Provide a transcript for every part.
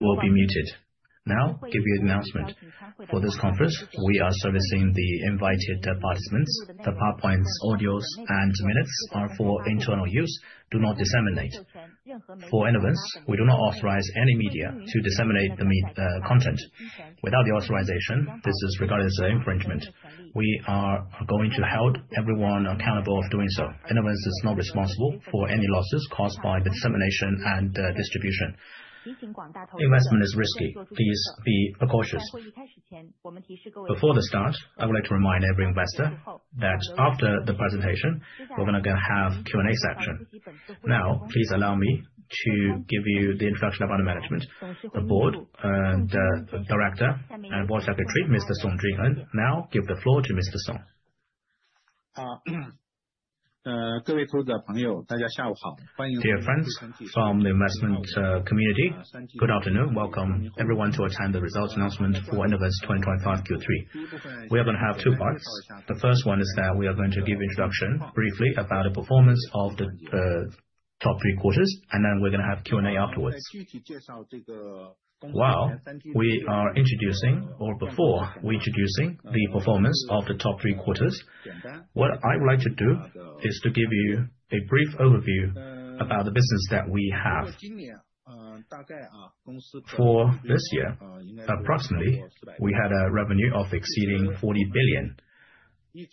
Will be muted. Now, give you an announcement. For this conference, we are servicing the invited participants. The PowerPoints, audios, and minutes are for internal use. Do not disseminate. For Inovance, we do not authorize any media to disseminate the content. Without the authorization, this is regarded as an infringement. We are going to hold everyone accountable for doing so. Inovance is not responsible for any losses caused by the dissemination and distribution. The investment is risky. Please be precautious. Before the start, I would like to remind every investor that after the presentation, we're going to have a Q&A section. Now, please allow me to give you the introduction of our management, the board, the director, and voice our greeting to Mr. Song Junen. Now, give the floor to Mr. Song. Dear friends from the investment community, good afternoon. Welcome everyone to attend the results announcement for Inovance 2025 Q3. We are going to have two parts. The first one is that we are going to give an introduction briefly about the performance of the top three quarters, and then we're going to have Q&A afterwards. While we are introducing, or before we're introducing the performance of the top three quarters, what I would like to do is to give you a brief overview about the business that we have. For this year, approximately, we had a revenue of exceeding 40 billion.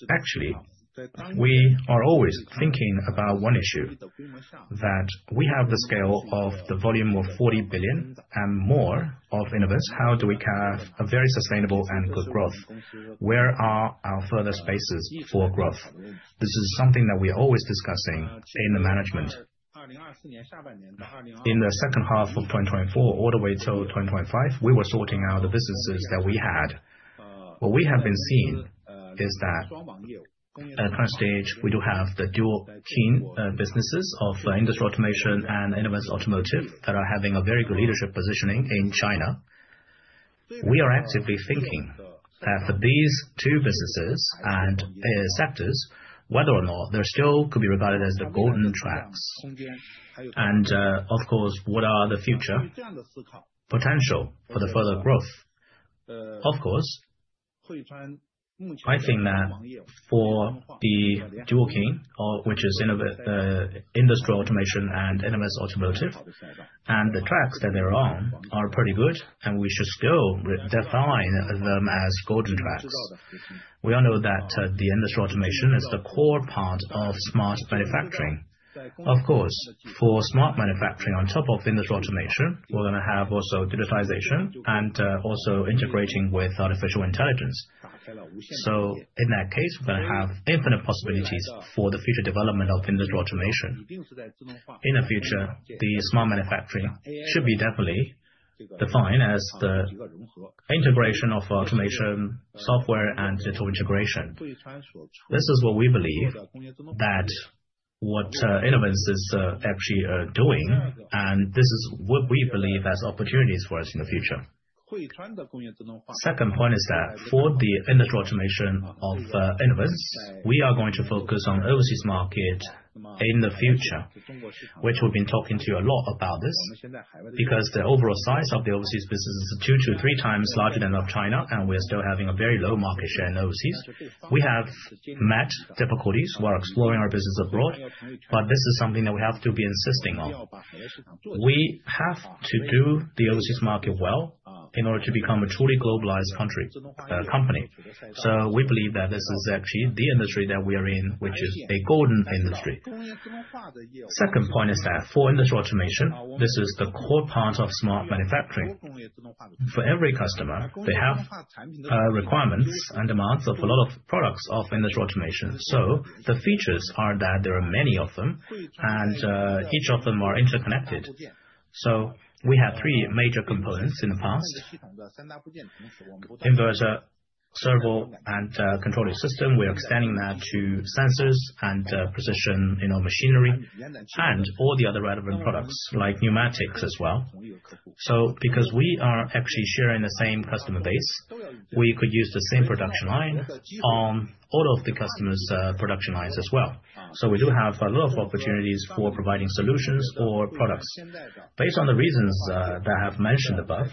Actually, we are always thinking about one issue: that we have the scale of the volume of 40 billion and more of Inovance. How do we have a very sustainable and good growth? Where are our further spaces for growth? This is something that we are always discussing in the management. In the second half of 2024, all the way till 2025, we were sorting out the businesses that we had. What we have been seeing is that, at the current stage, we do have the Dual King businesses Industrial Automation and Inovance Automotive that are having a very good leadership positioning in China. We are actively thinking that these two businesses and sectors, whether or not, they still could be regarded as the golden tracks, and, of course, what are the future potential for the further growth. Of course, I think that for the Dual Keam, which Industrial Automation and Inovance Automotive, and the tracks that they're on are pretty good, and we should still define them as golden tracks. We all know that Industrial Automation is the core part of smart manufacturing. Of course, for smart manufacturing on top Industrial Automation, we're going to have also digitization and also integrating with artificial intelligence. So, in that case, we're going to have infinite possibilities for the future development Industrial Automation. in the future, the smart manufacturing should be definitely defined as the integration of automation software and digital integration. This is what we believe that what Inovance is actually doing, and this is what we believe as opportunities for us in the future. The second point is that for Industrial Automation of Inovance, we are going to focus on the overseas market in the future, which we've been talking to you a lot about this, because the overall size of the overseas business is two to three times larger than that of China, and we are still having a very low market share in overseas. We have met difficulties while exploring our business abroad, but this is something that we have to be insisting on. We have to do the overseas market well in order to become a truly globalized company. So, we believe that this is actually the industry that we are in, which is a golden industry. The second point is that for Industrial Automation, this is the core part of smart manufacturing. For every customer, they have requirements and demands of a lot of products of Industrial Automation. So, the features are that there are many of them, and each of them are interconnected. So, we had three major components in the past: inverter, servo, and controller system. We are extending that to sensors and precision machinery and all the other relevant products, like pneumatics as well. So, because we are actually sharing the same customer base, we could use the same production line on all of the customers' production lines as well. So, we do have a lot of opportunities for providing solutions or products. Based on the reasons that I have mentioned above,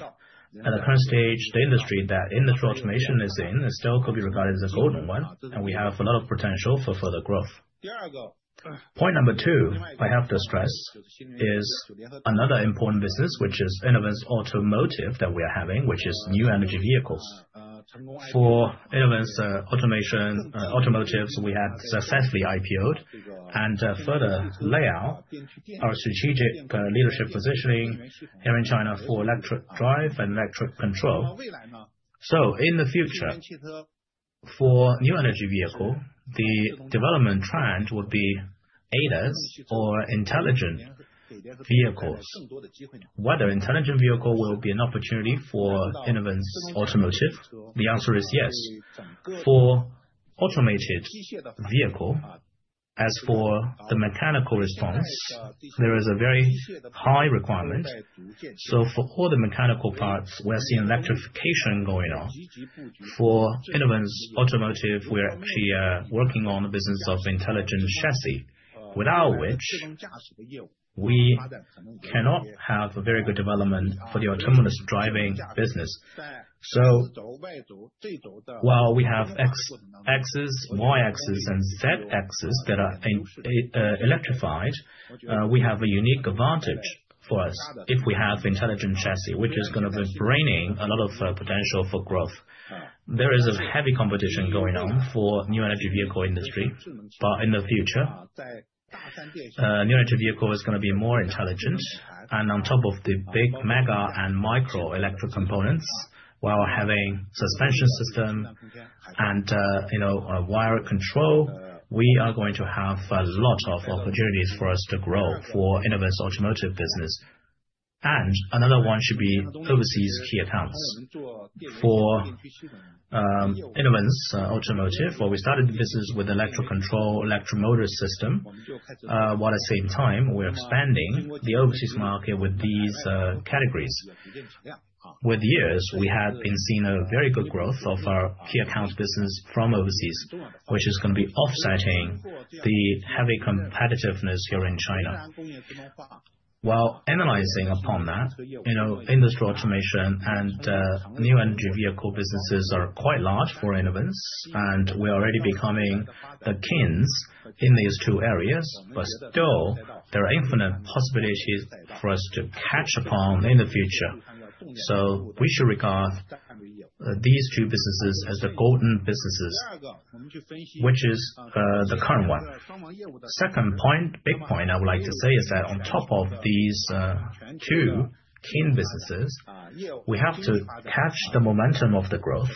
at the current stage, the industry that Industrial Automation is in still could be regarded as a golden one, and we have a lot of potential for further growth. Point number two I have to stress is another important business, which is Inovance Automotive that we are having, which is new energy vehicles. For Inovance Automotive, we had successfully IPO'd and further laid out our strategic leadership positioning here in China for electric drive and electric control. So, in the future, for new energy vehicles, the development trend would be ADAS or intelligent vehicles. Whether intelligent vehicles will be an opportunity for Inovance Automotive, the answer is yes. For automated vehicles, as for the mechanical response, there is a very high requirement. So, for all the mechanical parts, we're seeing electrification going on. For Inovance Automotive, we're actually working on the business of intelligent chassis, without which we cannot have a very good development for the autonomous driving business. So, while we have Xs, Ys, and Zs that are electrified, we have a unique advantage for us if we have intelligent chassis, which is going to be bringing a lot of potential for growth. There is a heavy competition going on for the new energy vehicle industry, but in the future, new energy vehicles are going to be more intelligent. On top of the big mega and micro electric components, while having a suspension system and wire control, we are going to have a lot of opportunities for us to grow for the Inovance Automotive business. Another one should be overseas key accounts. For Inovance Automotive, where we started the business with electric control, electric motor system, while at the same time, we're expanding the overseas market with these categories. Over the years, we have been seeing a very good growth of our key account business from overseas, which is going to be offsetting the heavy competitiveness here in China. While analyzing upon that, Industrial Automation and new energy vehicle businesses are quite large for Inovance, and we're already becoming the kings in these two areas, but still, there are infinite possibilities for us to catch upon in the future. So, we should regard these two businesses as the golden businesses, which is the current one. The second big point I would like to say is that on top of these two key businesses, we have to catch the momentum of the growth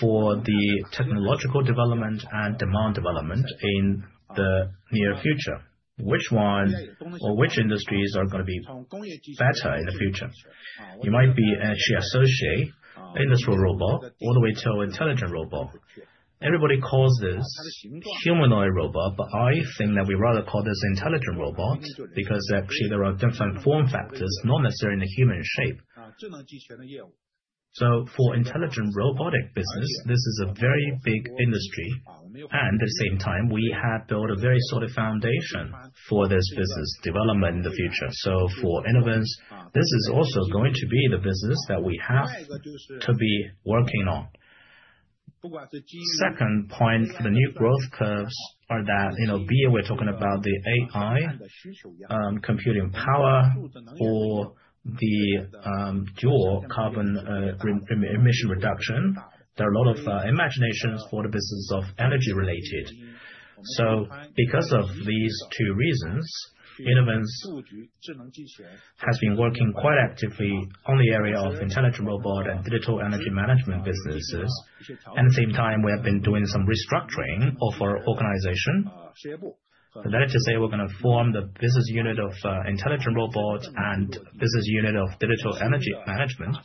for the technological development and demand development in the near future. Which one or which industries are going to be better in the future? You might be actually associating industrial robot all the way till intelligent robot. Everybody calls this humanoid robot, but I think that we'd rather call this Intelligent Robot because actually there are different form factors, not necessarily in a human shape. So, for intelligent robotic business, this is a very big industry, and at the same time, we have built a very solid foundation for this business development in the future. So, for Inovance, this is also going to be the business that we have to be working on. Second point for the new growth curves are that, B, we're talking about the AI computing power or the dual carbon emission reduction. There are a lot of imaginations for the business of energy-related. So, because of these two reasons, Inovance has been working quite actively on the area of Intelligent Robot and Digital Energy Management businesses. At the same time, we have been doing some restructuring of our organization. That is to say, we're going to form the business unit of Intelligent Robot and the business unit of Digital Energy Management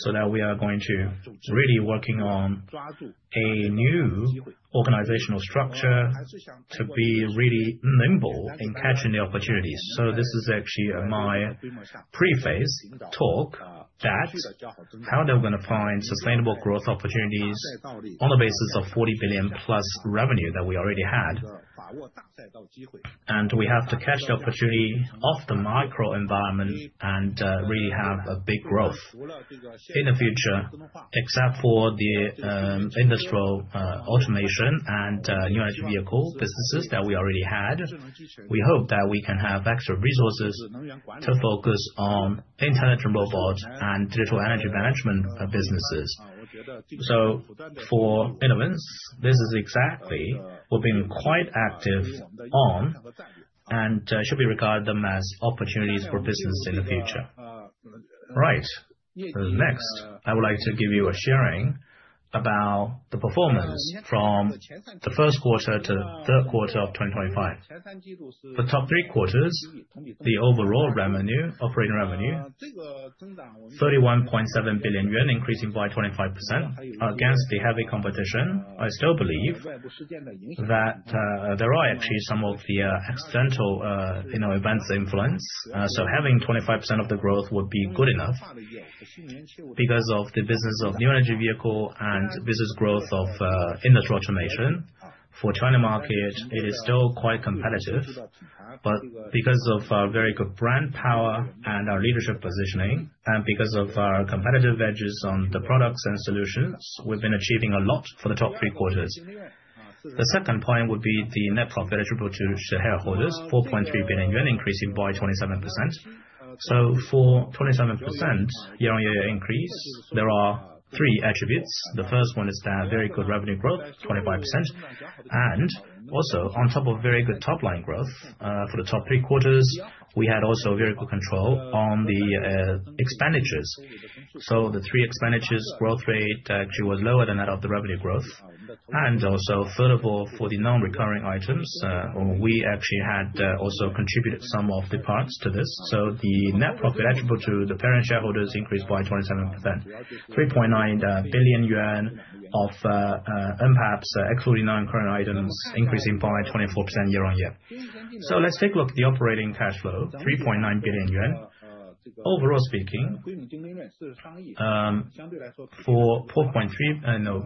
so that we are going to really be working on a new organizational structure to be really nimble in catching the opportunities. So, this is actually my preface talk that how they're going to find sustainable growth opportunities on the basis of 40 billion-plus revenue that we already had. And we have to catch the opportunity of the micro environment and really have a big growth in the future. Except for the Industrial Automation and new energy vehicle businesses that we already had, we hope that we can have extra resources to focus on Intelligent Robots and Digital Energy Management businesses. So, for Inovance, this is exactly what we've been quite active on, and should be regarded as opportunities for business in the future. Right. Next, I would like to give you a sharing about the performance from the first quarter to the third quarter of 2025. For the top three quarters, the overall operating revenue, 31.7 billion yuan, increasing by 25% against the heavy competition. I still believe that there are actually some of the accidental events' influence, so having 25% of the growth would be good enough because of the business of new energy vehicles and business growth Industrial Automation. for the China market, it is still quite competitive, but because of our very good brand power and our leadership positioning, and because of our competitive edges on the products and solutions, we've been achieving a lot for the top three quarters. The second point would be the net profit attributable to shareholders, 4.3 billion yuan, increasing by 27%, so for 27% year-on-year increase, there are three attributes. The first one is that very good revenue growth, 25%, and also, on top of very good top-line growth for the top three quarters, we had also very good control on the expenditures. So, the three expenditures' growth rate actually was lower than that of the revenue growth. And also, furthermore, for the non-recurring items, we actually had also contributed some of the parts to this. So, the net profit attributable to the parent shareholders increased by 27%, 3.9 billion yuan of NPAPs, excluding non-recurring items, increasing by 24% year-on-year. So, let's take a look at the operating cash flow, 3.9 billion yuan. Overall speaking, for 4.3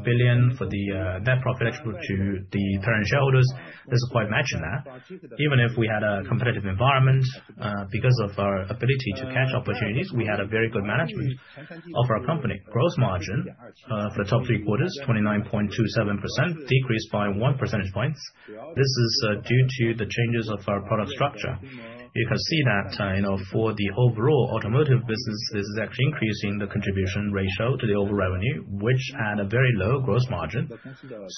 billion for the net profit attributable to the parent shareholders, there's quite a match in that. Even if we had a competitive environment, because of our ability to catch opportunities, we had a very good management of our company. Gross margin for the top three quarters, 29.27%, decreased by one percentage point. This is due to the changes of our product structure. You can see that for the overall automotive business, this is actually increasing the contribution ratio to the overall revenue, which had a very low gross margin.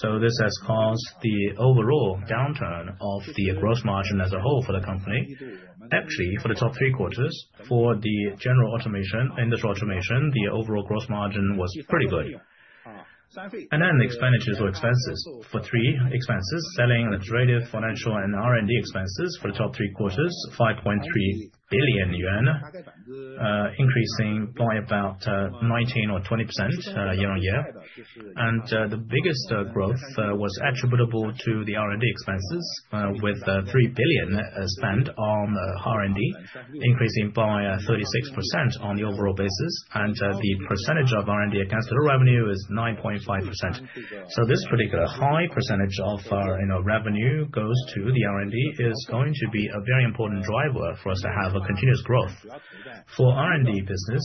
So, this has caused the overall downturn of the gross margin as a whole for the company. Actually, for the top three quarters, for the general Industrial Automation, the overall gross margin was pretty good. And then the expenditures or expenses. For three expenses, selling, administrative, financial, and R&D expenses for the top three quarters, 5.3 billion yuan, increasing by about 19%-20% year-on-year. And the biggest growth was attributable to the R&D expenses, with 3 billion spent on R&D, increasing by 36% on the overall basis. And the percentage of R&D against total revenue is 9.5%. So, this particular high percentage of our revenue goes to the R&D is going to be a very important driver for us to have a continuous growth for R&D business.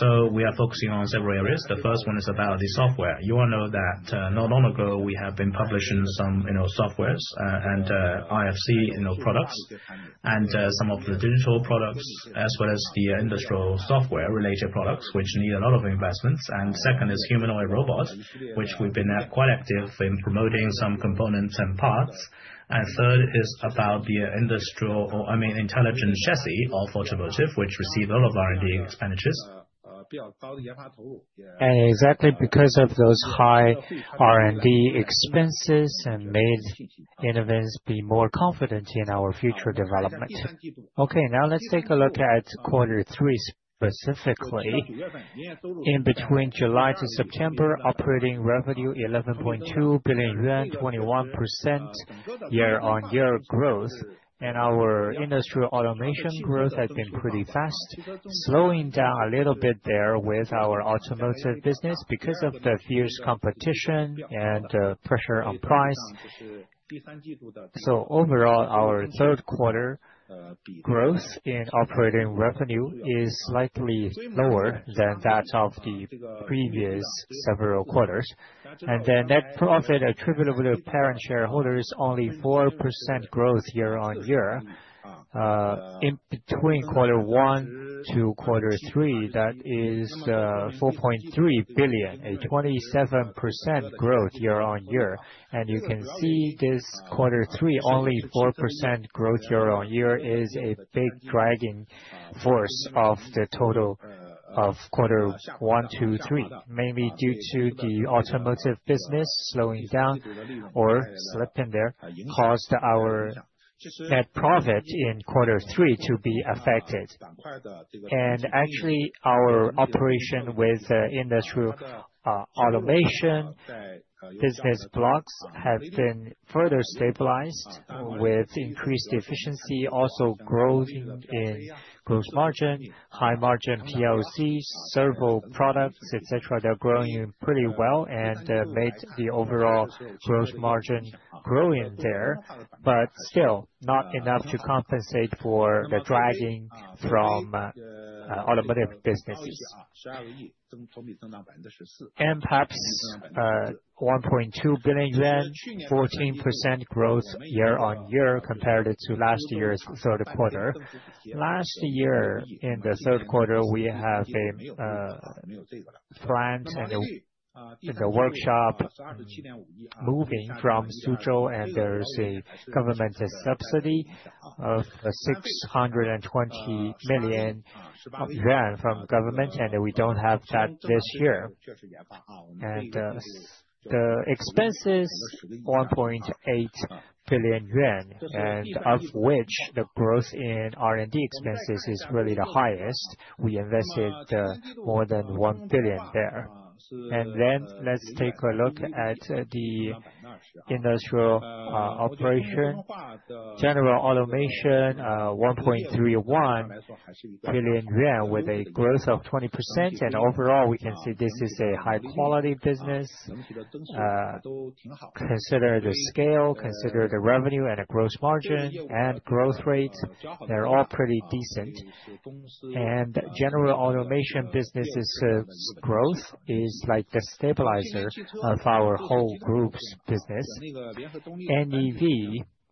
So, we are focusing on several areas. The first one is about the software. You all know that not long ago, we have been publishing some softwares and IFC products and some of the digital products, as well as the industrial software-related products, which need a lot of investments. And second is humanoid robots, which we've been quite active in promoting some components and parts. And third is about the industrial, I mean, intelligent chassis of automotive, which received a lot of R&D expenditures. And exactly because of those high R&D expenses, it made Inovance be more confident in our future development. Okay, now let's take a look at quarter three specifically. In between July to September, operating revenue, 11.2 billion yuan, 21% year-on-year growth, and our Industrial Automation growth has been pretty fast, slowing down a little bit there with our automotive business because of the fierce competition and the pressure on price, so overall, our third quarter growth in operating revenue is slightly lower than that of the previous several quarters, and the net profit attributable to parent shareholders is only 4% growth year-on-year. In between quarter one to quarter three, that is 4.3 billion, a 27% growth year-on-year, and you can see this quarter three, only 4% growth year-on-year is a big dragging force of the total of quarter one to three, mainly due to the automotive business slowing down or slipping there, caused our net profit in quarter three to be affected. And actually, our operation with Industrial Automation business blocks have been further stabilized with increased efficiency, also growth in gross margin, high margin PLCs, servo products, etc. They're growing pretty well and made the overall gross margin growing there, but still not enough to compensate for the dragging from automotive businesses. NPAPs, 1.2 billion yuan, 14% growth year-on-year compared to last year's third quarter. Last year, in the third quarter, we have a plant and a workshop moving from Suzhou, and there is a government subsidy of 620 million yuan from government, and we don't have that this year. And the expenses, 1.8 billion yuan, and of which the growth in R&D expenses is really the highest. We invested more than 1 billion there. And then let's take a look at the industrial operation, General Automation, 1.31 billion yuan with a growth of 20%. Overall, we can see this is a high-quality business. Consider the scale, consider the revenue and the gross margin and growth rate. They're all pretty decent. General Automation businesses' growth is like the stabilizer of our whole group's business. NEV,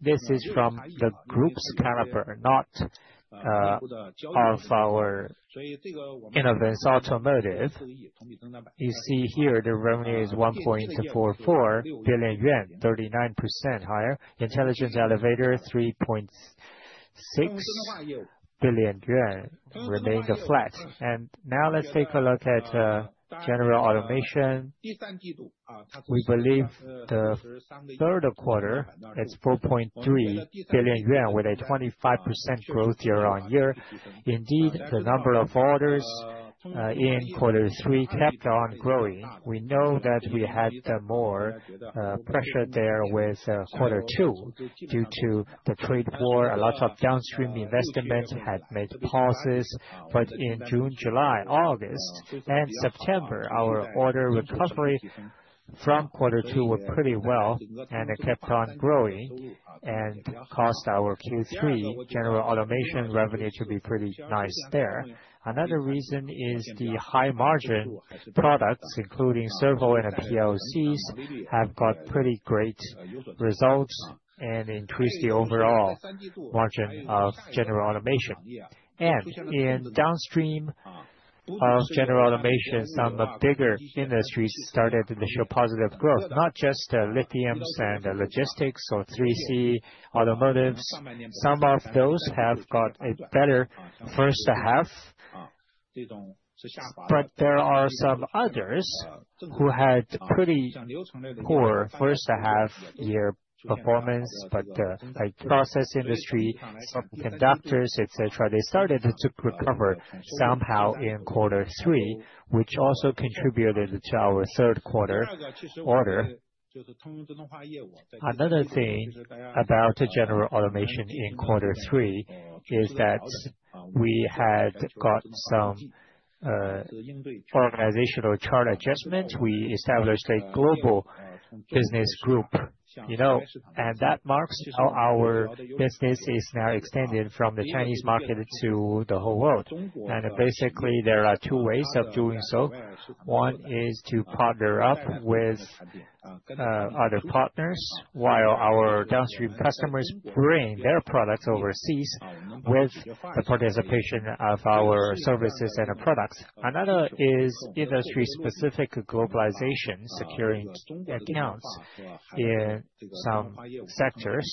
this is from the group's caliber, not of our Inovance Automotive. You see here, the revenue is 1.44 billion yuan, 39% higher. Intelligent elevator, 3.6 billion yuan, remained flat. Now let's take a look at General Automation. We believe the third quarter, it's 4.3 billion yuan with a 25% growth year-on-year. Indeed, the number of orders in quarter three kept on growing. We know that we had more pressure there with quarter two due to the trade war. A lot of downstream investment had made pauses. But in June, July, August, and September, our order recovery from quarter two was pretty well and kept on growing and caused our Q3 General Automation revenue to be pretty nice there. Another reason is the high margin products, including servo and PLCs, have got pretty great results and increased the overall margin of General Automation. And in downstream of General Automation, some bigger industries started to show positive growth, not just lithiums and logistics or 3C automotives. Some of those have got a better first half. But there are some others who had pretty poor first half-year performance, but like process industry, semiconductors, etc. They started to recover somehow in quarter three, which also contributed to our third quarter order. Another thing about General Automation in quarter three is that we had got some organizational chart adjustment. We established a global business group, you know, and that marks how our business is now extended from the Chinese market to the whole world, and basically there are two ways of doing so. One is to partner up with other partners while our downstream customers bring their products overseas with the participation of our services and products. Another is industry-specific globalization, securing accounts in some sectors,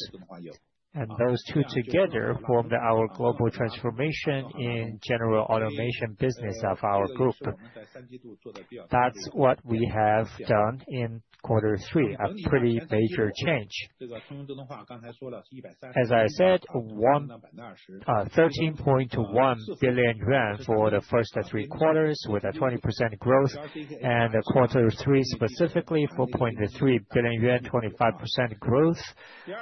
and those two together formed our global transformation in General Automation business of our group. That's what we have done in quarter three, a pretty major change. As I said, 13.1 billion yuan for the first three quarters with a 20% growth, and quarter three specifically, 4.3 billion yuan, 25% growth.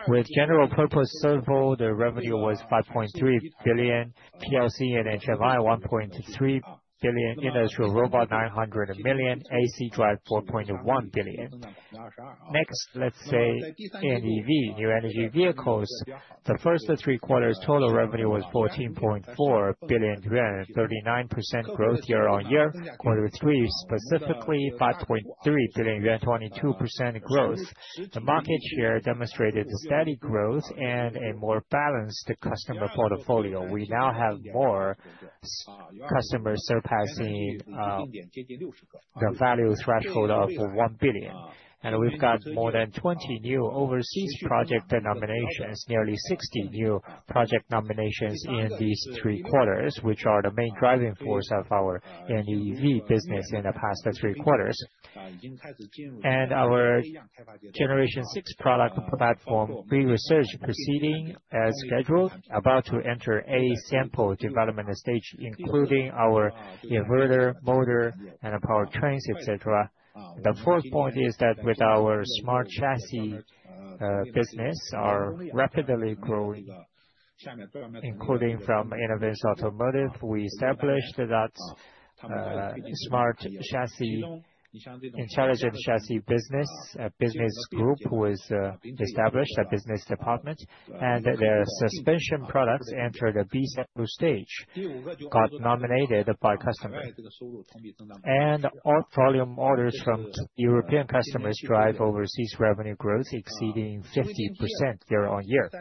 With general purpose servo, the revenue was 5.3 billion, PLC and HMI, 1.3 billion, industrial robot, 900 million, AC drive, 4.1 billion. Next, let's say NEV, New Energy Vehicles. The first three quarters total revenue was 14.4 billion yuan, 39% growth year-on-year. Quarter 3 specifically, 5.3 billion yuan, 22% growth. The market share demonstrated steady growth and a more balanced customer portfolio. We now have more customers surpassing the value threshold of 1 billion. And we've got more than 20 new overseas project nominations, nearly 60 new project nominations in these three quarters, which are the main driving force of our NEV business in the past three quarters. And our Generation 6 product platform, we research proceeding as scheduled, about to enter a sample development stage, including our inverter, motor, and power trains, etc. The fourth point is that with our smart chassis business, our rapidly growing, including from Inovance Automotive, we established that smart chassis, intelligent chassis business, a business group was established, a business department, and their suspension products entered a B2 stage. Got nominated by customer. And all volume orders from European customers drive overseas revenue growth exceeding 50% year-on-year.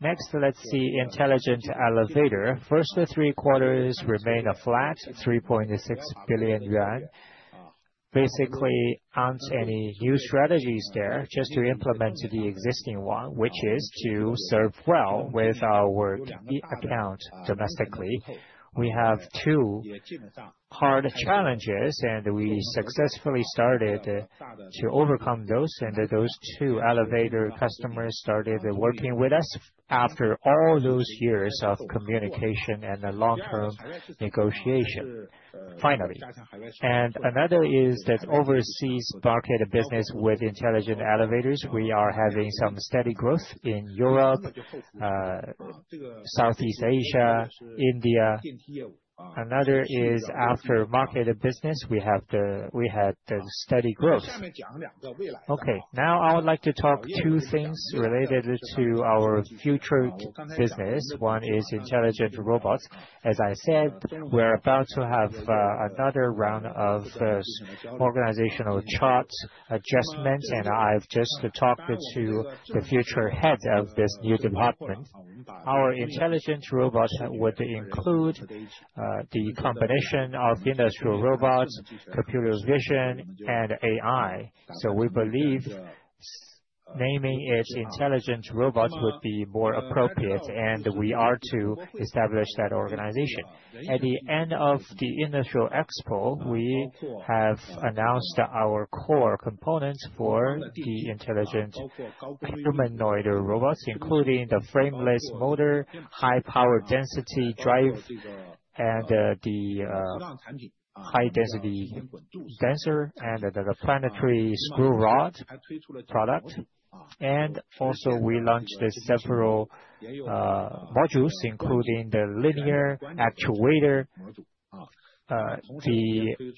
Next, let's see intelligent elevator. First three quarters remain flat, 3.6 billion yuan. Basically, there aren't any new strategies there, just to implement the existing one, which is to serve well with our account domestically. We have two hard challenges, and we successfully started to overcome those. And those two elevator customers started working with us after all those years of communication and long-term negotiation. Finally, another is that overseas market business with intelligent elevators. We are having some steady growth in Europe, Southeast Asia, India. Another is after market business. We had the steady growth. Okay, now I would like to talk about two things related to our future business. One is intelligent robots. As I said, we're about to have another round of organizational chart adjustments, and I've just talked to the future head of this new department. Our intelligent robots would include the combination of industrial robots, computer vision, and AI. So we believe naming it intelligent robots would be more appropriate, and we are to establish that organization. At the end of the Industrial Expo, we have announced our core components for the intelligent humanoid robots, including the frameless motor, high power density drive, and the high density reducer and the planetary screw rod product. And also, we launched several modules, including the linear actuator, the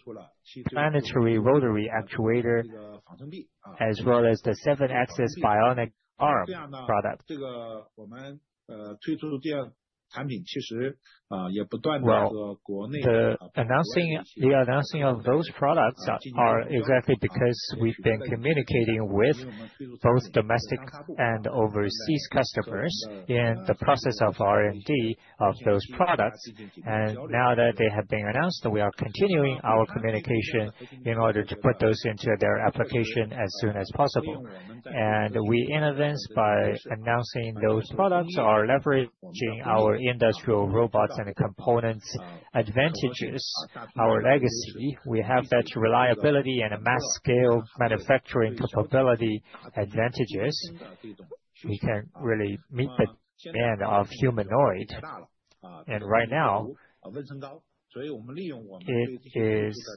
planetary rotary actuator, as well as the seven-axis bionic arm product. The announcement of those products is exactly because we've been communicating with both domestic and overseas customers in the process of R&D of those products. And now that they have been announced, we are continuing our communication in order to put those into their application as soon as possible. And we innovate by announcing those products, are leveraging our industrial robots and components advantages, our legacy. We have that reliability and mass scale manufacturing capability advantages. We can really meet the demand of humanoid. And right now, it is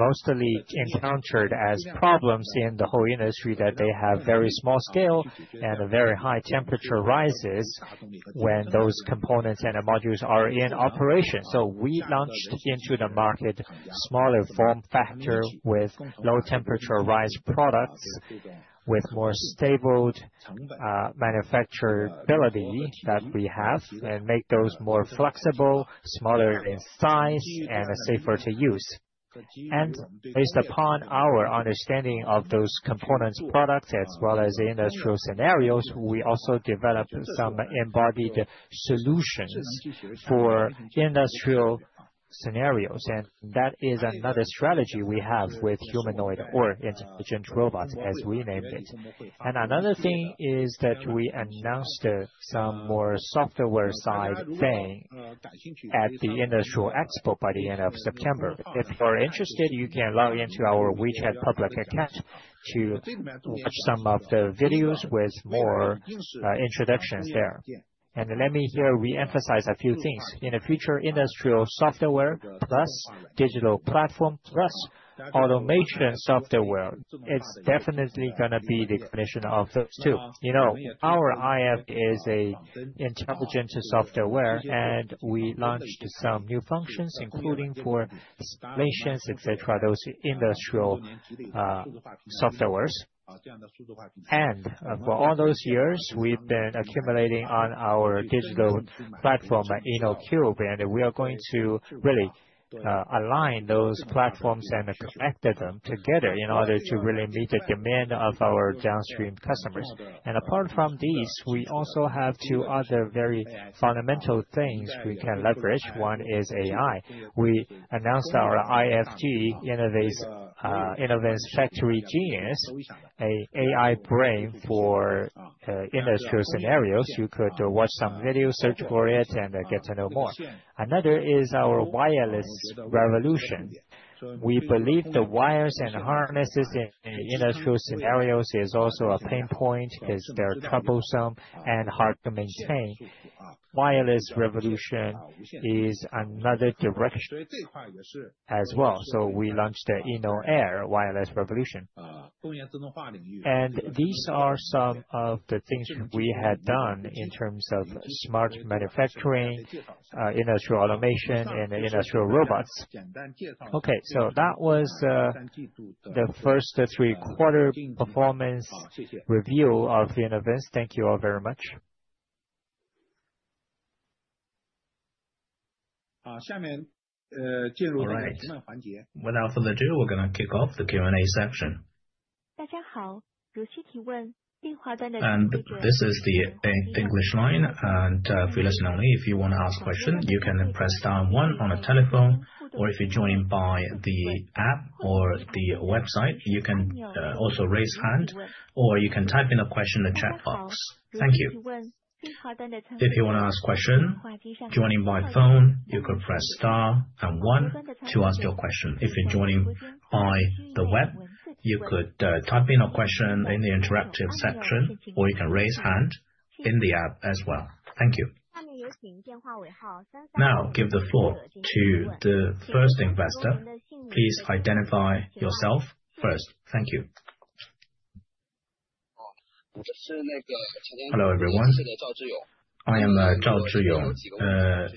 mostly encountered as problems in the whole industry that they have very small scale and very high temperature rises when those components and modules are in operation. So we launched into the market smaller form factor with low temperature rise products with more stable manufacturability that we have and make those more flexible, smaller in size, and safer to use. And based upon our understanding of those components products, as well as industrial scenarios, we also developed some embodied solutions for industrial scenarios. And that is another strategy we have with humanoid or intelligent robots, as we named it. And another thing is that we announced some more software side thing at the Industrial Expo by the end of September. If you're interested, you can log into our WeChat public account to watch some of the videos with more introductions there. And let me here re-emphasize a few things. In the future, industrial software plus digital platform plus automation software, it's definitely going to be the combination of those two. You know, our IF is an intelligent software, and we launched some new functions, including for explanations, etc., those industrial softwares. And for all those years, we've been accumulating on our digital platform, InoCube, and we are going to really align those platforms and connect them together in order to really meet the demand of our downstream customers. And apart from these, we also have two other very fundamental things we can leverage. One is AI. We announced our IFG, Inovance Factory Genius, an AI brain for industrial scenarios. You could watch some videos, search for it, and get to know more. Another is our wireless revolution. We believe the wires and harnesses in industrial scenarios is also a pain point because they're troublesome and hard to maintain. Wireless revolution is another direction as well. So we launched the InoAir wireless revolution. And these are some of the things we had done in terms of smart manufacturing, Industrial Automation, and industrial robots. Okay, so that was the first three quarters performance review of Inovance. Thank you all very much. All right. Without further ado, we're going to kick off the Q&A section. 大家好，如需提问，电话端的请直接. And this is the English line. And for listeners, if you want to ask a question, you can press down one on a telephone, or if you're joined by the app or the website, you can also raise hand, or you can type in a question in the chat box. Thank you. If you want to ask a question, joining by phone, you could press star and one to ask your question. If you're joining by the web, you could type in a question in the interactive section, or you can raise hand in the app as well. Thank you. Now, give the floor to the first investor. Please identify yourself first. Thank you. Hello everyone. I am Zhao Zhu Yong,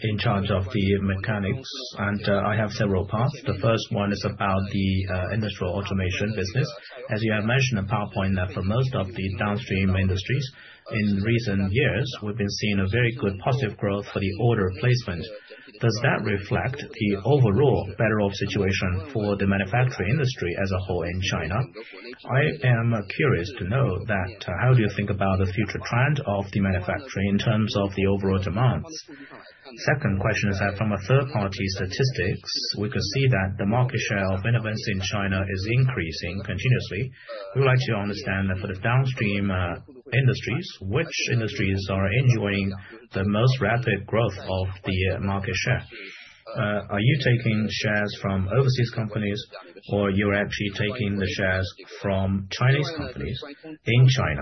in charge of the mechanics, and I have several parts. The first one is about the Industrial Automation business. As you have mentioned in PowerPoint, that for most of the downstream industries, in recent years, we've been seeing a very good positive growth for the order placement. Does that reflect the overall better-off situation for the manufacturing industry as a whole in China? I am curious to know that. How do you think about the future trend of the manufacturing in terms of the overall demand? Second question is that from a third-party statistics, we could see that the market share of Inovance in China is increasing continuously. We would like to understand that for the downstream industries, which industries are enjoying the most rapid growth of the market share? Are you taking shares from overseas companies, or are you actually taking the shares from Chinese companies in China?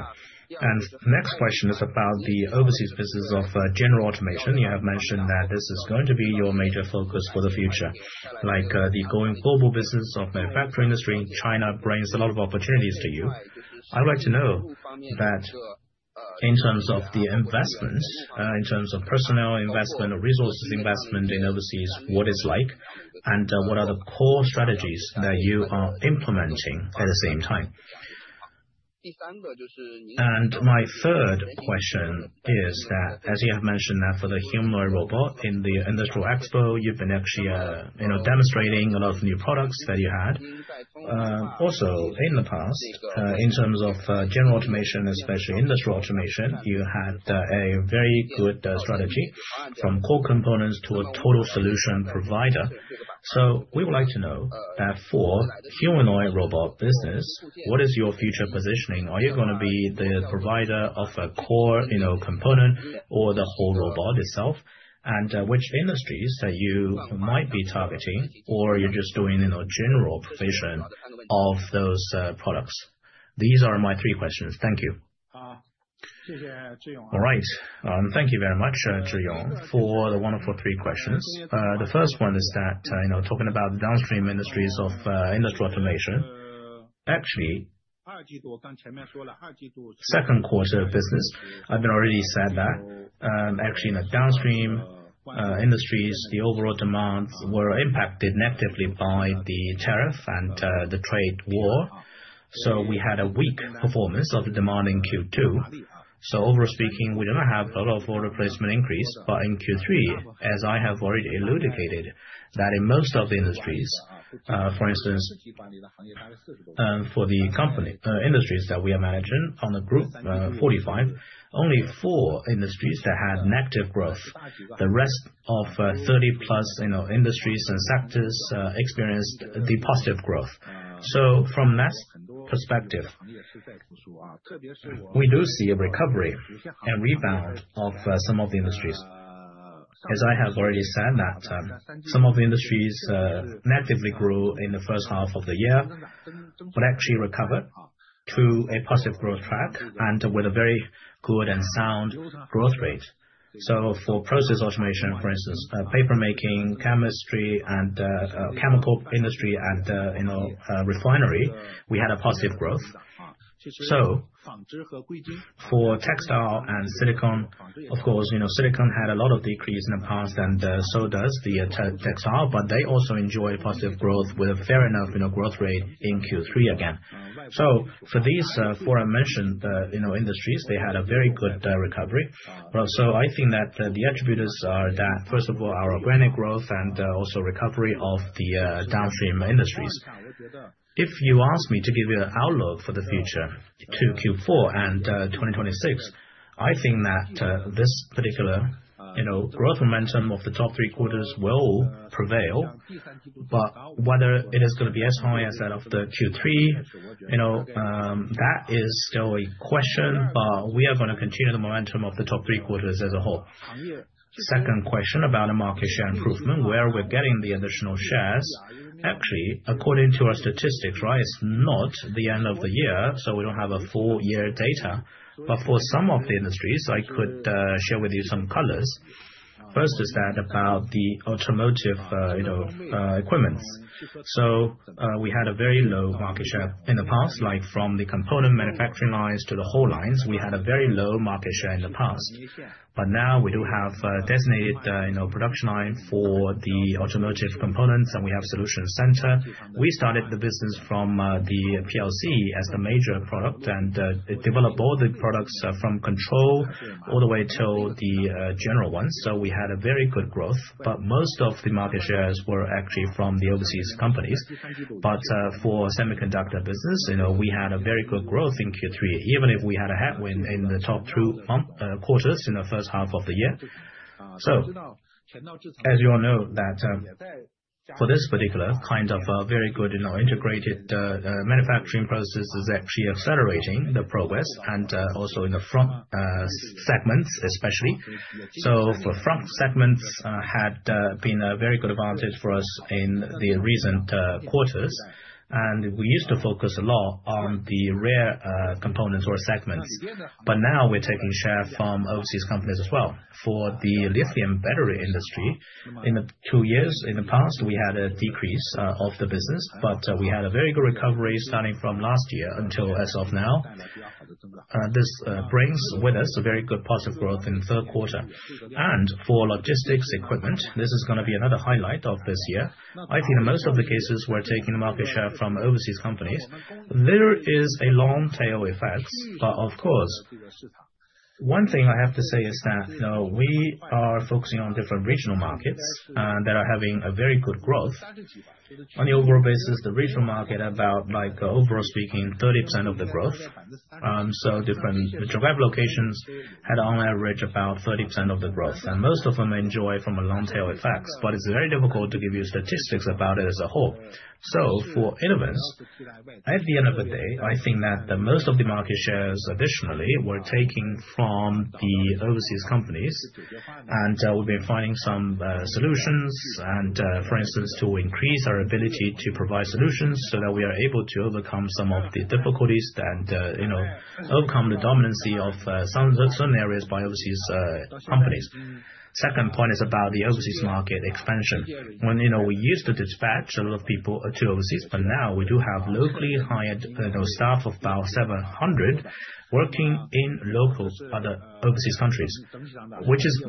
And the next question is about the overseas business of General Automation. You have mentioned that this is going to be your major focus for the future, like the going global business of the manufacturing industry. China brings a lot of opportunities to you. I would like to know that in terms of the investments, in terms of personnel investment or resources investment in overseas, what it's like, and what are the core strategies that you are implementing at the same time?, and my third question is that, as you have mentioned, that for the humanoid robot in the Industrial Expo, you've been actually demonstrating a lot of new products that you had. Also, in the past, in terms of General Automation, especially Industrial Automation, you had a very good strategy from core components to a total solution provider, so we would like to know that for the humanoid robot business, what is your future positioning? Are you going to be the provider of a core component or the whole robot itself? And which industries that you might be targeting, or are you just doing general provision of those products? These are my three questions. Thank you. All right. Thank you very much, Zhi Yong, for the wonderful three questions. The first one is that, talking about the downstream industries of Industrial Automation, actually, second quarter business, I've already said that actually in the downstream industries, the overall demands were impacted negatively by the tariff and the trade war. So we had a weak performance of the demand in Q2. So overall speaking, we didn't have a lot of order placement increase, but in Q3, as I have already elucidated, that in most of the industries, for instance, for the company, industries that we are managing on the group 45, only four industries that had negative growth. The rest of 30-plus industries and sectors experienced the positive growth. So from that perspective, we do see a recovery and rebound of some of the industries. As I have already said, that some of the industries negatively grew in the first half of the year, but actually recovered to a positive growth track and with a very good and sound growth rate. So for process automation, for instance, papermaking, chemistry, and chemical industry, and refinery, we had a positive growth. So for textile and silicon, of course, silicon had a lot of decrease in the past, and so does the textile, but they also enjoy positive growth with a fair enough growth rate in Q3 again. So for these four I mentioned, the industries, they had a very good recovery. So I think that the attributes are that, first of all, our organic growth and also recovery of the downstream industries. If you ask me to give you an outlook for the future to Q4 and 2026, I think that this particular growth momentum of the top three quarters will prevail. But whether it is going to be as high as that of the Q3, that is still a question, but we are going to continue the momentum of the top three quarters as a whole. Second question about the market share improvement, where we're getting the additional shares, actually, according to our statistics, right, it's not the end of the year, so we don't have a full-year data. But for some of the industries, I could share with you some colors. First is that about the automotive equipment. So we had a very low market share in the past, like from the component manufacturing lines to the whole lines. We had a very low market share in the past. But now we do have a designated production line for the automotive components, and we have solution center. We started the business from the PLC as the major product and developed all the products from control all the way till the general one. So we had a very good growth, but most of the market shares were actually from the overseas companies. But for semiconductor business, we had a very good growth in Q3, even if we had a headwind in the top two quarters in the first half of the year. So as you all know, that for this particular kind of very good integrated manufacturing process is actually accelerating the progress and also in the front segments, especially. So for front segments, had been a very good advantage for us in the recent quarters. And we used to focus a lot on the rare components or segments. But now we're taking share from overseas companies as well. For the lithium battery industry, in the two years in the past, we had a decrease of the business, but we had a very good recovery starting from last year until as of now. This brings with us a very good positive growth in the third quarter. And for logistics equipment, this is going to be another highlight of this year. I think in most of the cases, we're taking the market share from overseas companies. There is a long tail effect, but of course, one thing I have to say is that we are focusing on different regional markets that are having a very good growth. On the overall basis, the regional market, about like overall speaking, 30% of the growth. So different geographic locations had on average about 30% of the growth. And most of them enjoy from a long tail effect, but it's very difficult to give you statistics about it as a whole. So for Inovance, at the end of the day, I think that most of the market shares additionally were taken from the overseas companies. And we've been finding some solutions, for instance, to increase our ability to provide solutions so that we are able to overcome some of the difficulties and overcome the dominancy of some areas by overseas companies. Second point is about the overseas market expansion. When we used to dispatch a lot of people to overseas, but now we do have locally hired staff of about 700 working in local other overseas countries, which is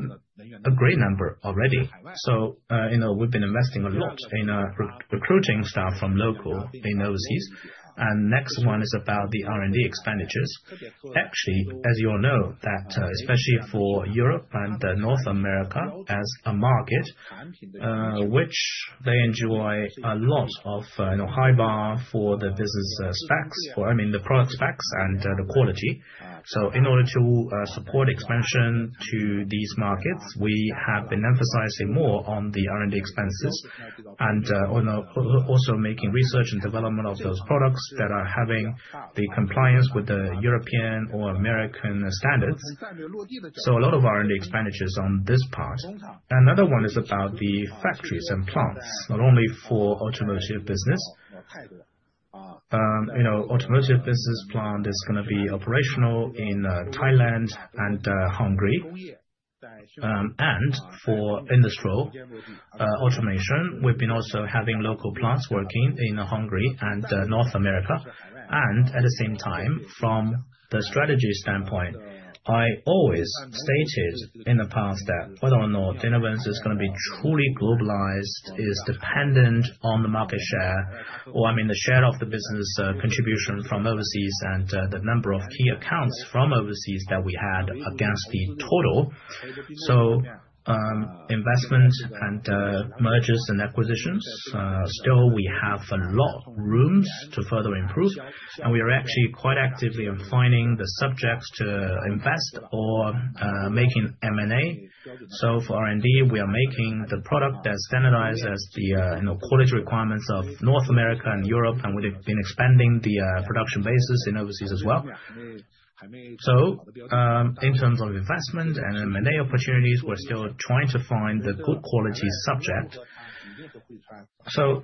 a great number already. So we've been investing a lot in recruiting staff from local in overseas. And next one is about the R&D expenditures. Actually, as you all know, that especially for Europe and North America as a market, which they enjoy a lot of high bar for the business specs, for I mean, the product specs and the quality. So in order to support expansion to these markets, we have been emphasizing more on the R&D expenses and also making research and development of those products that are having the compliance with the European or American standards. So a lot of R&D expenditures on this part. Another one is about the factories and plants, not only for automotive business. Automotive business plant is going to be operational in Thailand and Hungary, and for Industrial Automation, we've been also having local plants working in Hungary and North America. At the same time, from the strategy standpoint, I always stated in the past that whether or not Inovance is going to be truly globalized is dependent on the market share, or I mean, the share of the business contribution from overseas and the number of key accounts from overseas that we had against the total, so investment and mergers and acquisitions, still we have a lot of rooms to further improve, and we are actually quite actively refining the subjects to invest or making M&A. So, for R&D, we are making the product that's standardized as the quality requirements of North America and Europe, and we've been expanding the production basis in overseas as well. So in terms of investment and M&A opportunities, we're still trying to find the good quality subject. So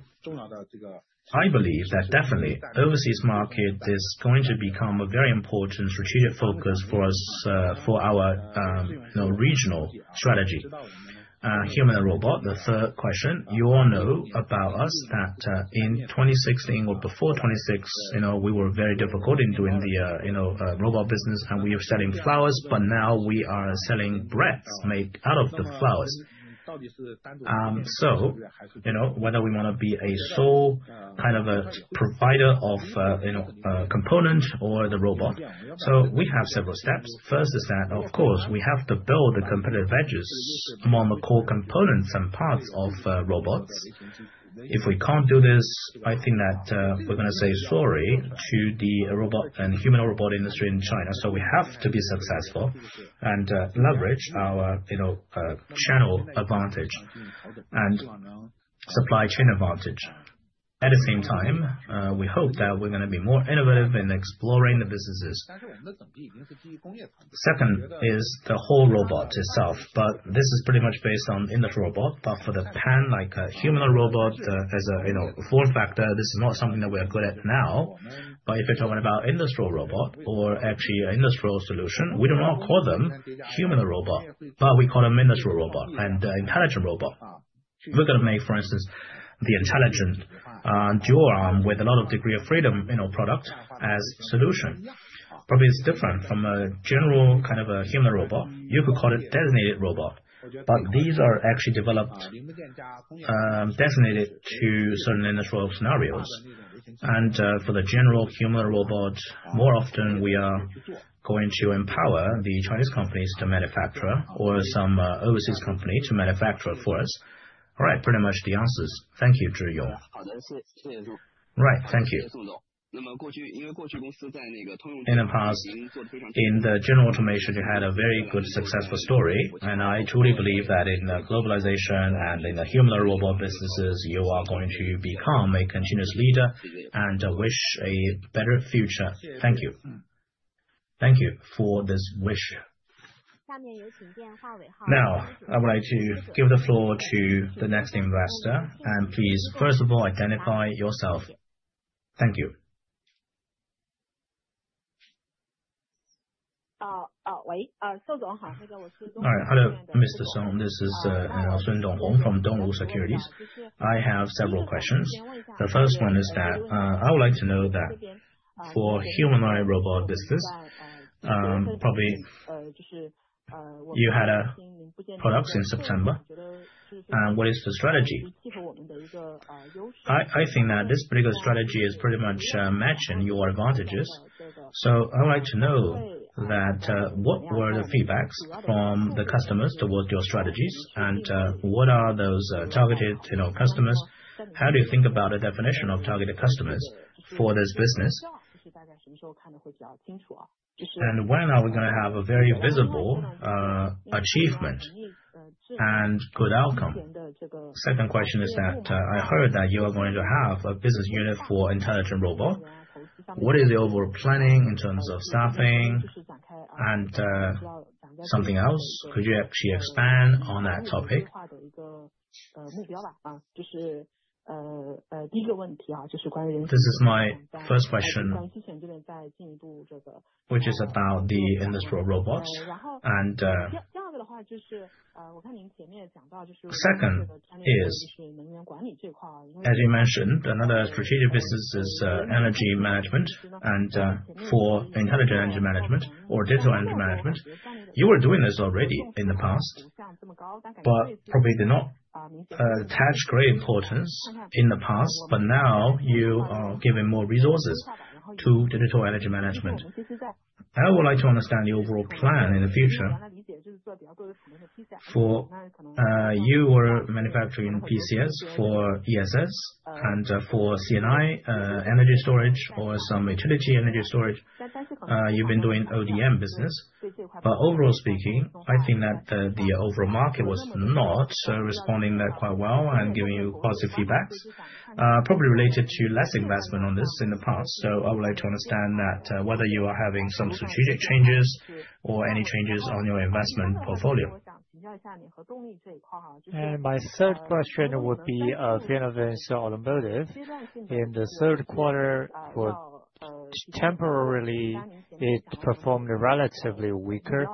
I believe that definitely the overseas market is going to become a very important strategic focus for us for our regional strategy. Human and robot, the third question, you all know about us that in 2016 or before 2016, we were very difficult in doing the robot business, and we were selling flowers, but now we are selling breads made out of the flowers. So whether we want to be a sole kind of a provider of components or the robot. So we have several steps. First is that, of course, we have to build the competitive edges among the core components and parts of robots. If we can't do this, I think that we're going to say sorry to the humanoid robot industry in China. So we have to be successful and leverage our channel advantage and supply chain advantage. At the same time, we hope that we're going to be more innovative in exploring the businesses. Second is the whole robot itself, but this is pretty much based on industrial robot, but for the pan like a humanoid robot as a form factor, this is not something that we are good at now, but if you're talking about industrial robot or actually an industrial solution, we do not call them humanoid robot, but we call them industrial robot and intelligent robot. We're going to make, for instance, the intelligent dual-arm with a lot of degrees of freedom product as solution. Probably it's different from a general kind of a humanoid robot. You could call it designated robot, but these are actually developed designated to certain industrial scenarios. For the general humanoid robot, more often we are going to empower the Chinese companies to manufacture or some overseas company to manufacture for us. All right, pretty much the answers. Thank you, Zhu Yong. Right, thank you. In the past, in the General Automation, you had a very good successful story. I truly believe that in the globalization and in the humanoid robot businesses, you are going to become a continuous leader and wish a better future. Thank you. Thank you for this wish. Now, I would like to give the floor to the next investor. And please, first of all, identify yourself. Thank you. Hello, Mr. Song. This is Zeng Duohong from Dongwu Securities. I have several questions. The first one is that I would like to know that for humanoid robot business, probably you had a product in September. And what is the strategy? I think that this particular strategy is pretty much matching your advantages. So I would like to know that what were the feedbacks from the customers towards your strategies? And what are those targeted customers? How do you think about a definition of targeted customers for this business? And when are we going to have a very visible achievement and good outcome? Second question is that I heard that you are going to have a business unit for intelligent robot. What is the overall planning in terms of staffing and something else? Could you actually expand on that topic? This is my first question, which is about industrial robots, and second is the energy management. As you mentioned, another strategic business is energy management and for Intelligent Inergy Management or Digital Energy Management. You were doing this already in the past, but probably did not attach great importance in the past, but now you are giving more resources to Digital Energy Management. I would like to understand the overall plan in the future for you were manufacturing PCS for ESS and for C&I energy storage or some utility energy storage. You've been doing ODM business, but overall speaking, I think that the overall market was not responding that quite well and giving you positive feedbacks, probably related to less investment on this in the past, so I would like to understand that whether you are having some strategic changes or any changes on your investment portfolio. And my third question would be of Inovance Automotive. In the third quarter, temporarily it performed relatively weaker,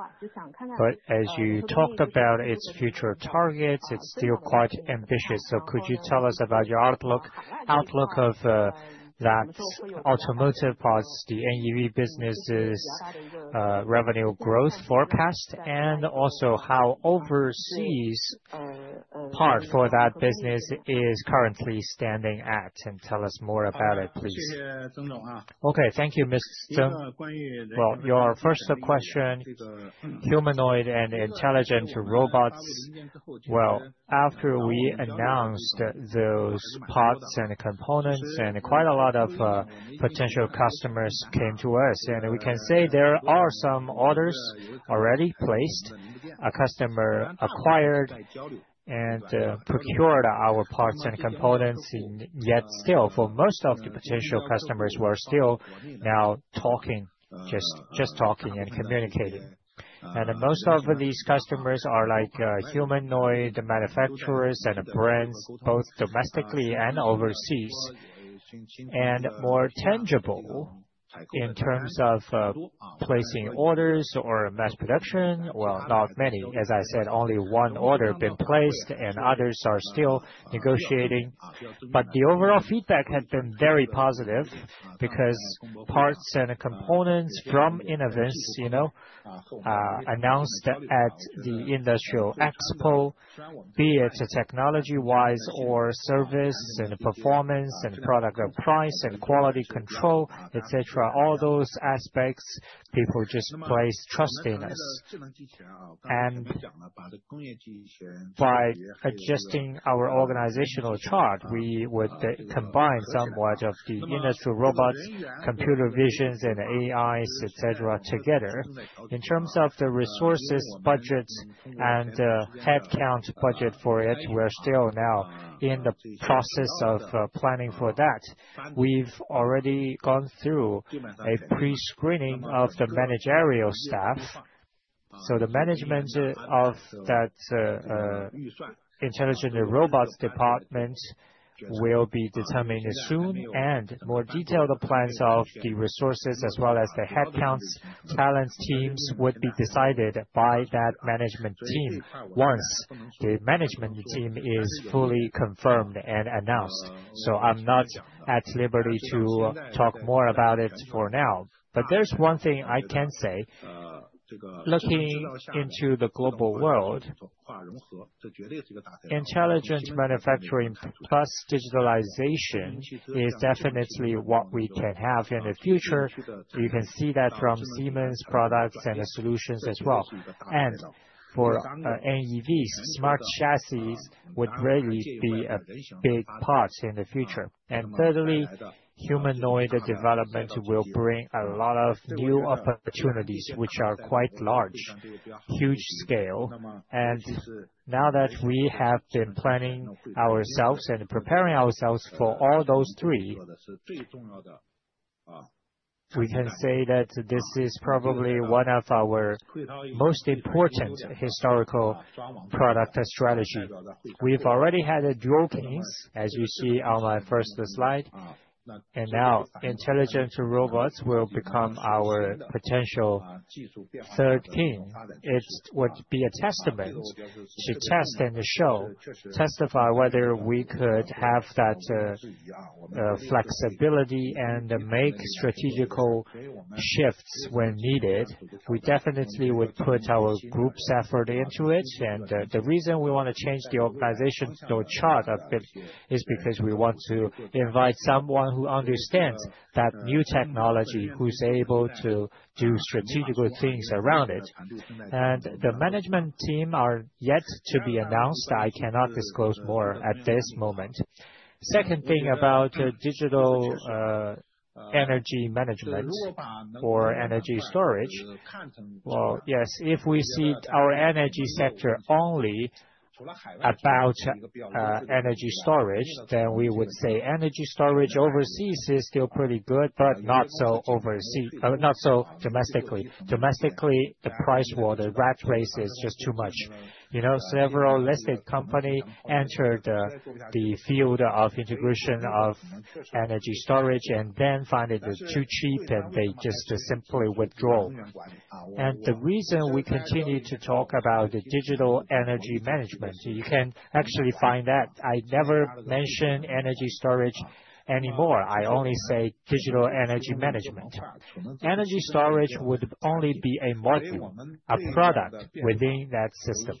but as you talked about its future targets, it's still quite ambitious. So could you tell us about your outlook of that automotive parts, the NEV business's revenue growth forecast, and also how overseas part for that business is currently standing at? And tell us more about it, please. Okay, thank you, Ms. Zeng. Well, your first question, humanoid and intelligent robots. Well, after we announced those parts and components, and quite a lot of potential customers came to us, and we can say there are some orders already placed. A customer acquired and procured our parts and components, yet still for most of the potential customers were still now talking, just talking and communicating. Most of these customers are like humanoid manufacturers and brands, both domestically and overseas, and more tangible in terms of placing orders or mass production. Not many, as I said, only one order been placed, and others are still negotiating. The overall feedback had been very positive because parts and components from Inovance announced at the Industrial Expo, be it technology-wise or service and performance and product price and quality control, etc. All those aspects, people just placed trust in us. By adjusting our organizational chart, we would combine somewhat of the industrial robots, computer vision, and AIs, etc. together. In terms of the resource budgets and headcount budget for it, we're still now in the process of planning for that. We've already gone through a pre-screening of the managerial staff. So the management of that intelligent robots department will be determined soon, and more detailed plans of the resources as well as the headcounts, talent teams would be decided by that management team once the management team is fully confirmed and announced. So I'm not at liberty to talk more about it for now. But there's one thing I can say. Looking into the global world, intelligent manufacturing plus digitalization is definitely what we can have in the future. You can see that from Siemens products and solutions as well. And for NEVs, smart chassis would really be a big part in the future. And thirdly, humanoid development will bring a lot of new opportunities, which are quite large, huge scale. And now that we have been planning ourselves and preparing ourselves for all those three, we can say that this is probably one of our most important historical product strategies. We've already had a dual case, as you see on my first slide. And now intelligent robots will become our potential third team. It would be a testament to test and show, testify whether we could have that flexibility and make strategical shifts when needed. We definitely would put our group's effort into it. And the reason we want to change the organizational chart a bit is because we want to invite someone who understands that new technology, who's able to do strategical things around it. And the management team are yet to be announced. I cannot disclose more at this moment. Second thing about Digital Energy Management or energy storage. Yes, if we see our energy sector only about energy storage, then we would say energy storage overseas is still pretty good, but not so overseas, not so domestically. Domestically, the price war, the rat race is just too much. Several listed companies entered the field of integration of energy storage and then found it too cheap, and they just simply withdraw. The reason we continue to talk about Digital Energy Management, you can actually find that I never mention energy storage anymore. I only say Digital Energy Management. Energy storage would only be a module, a product within that system.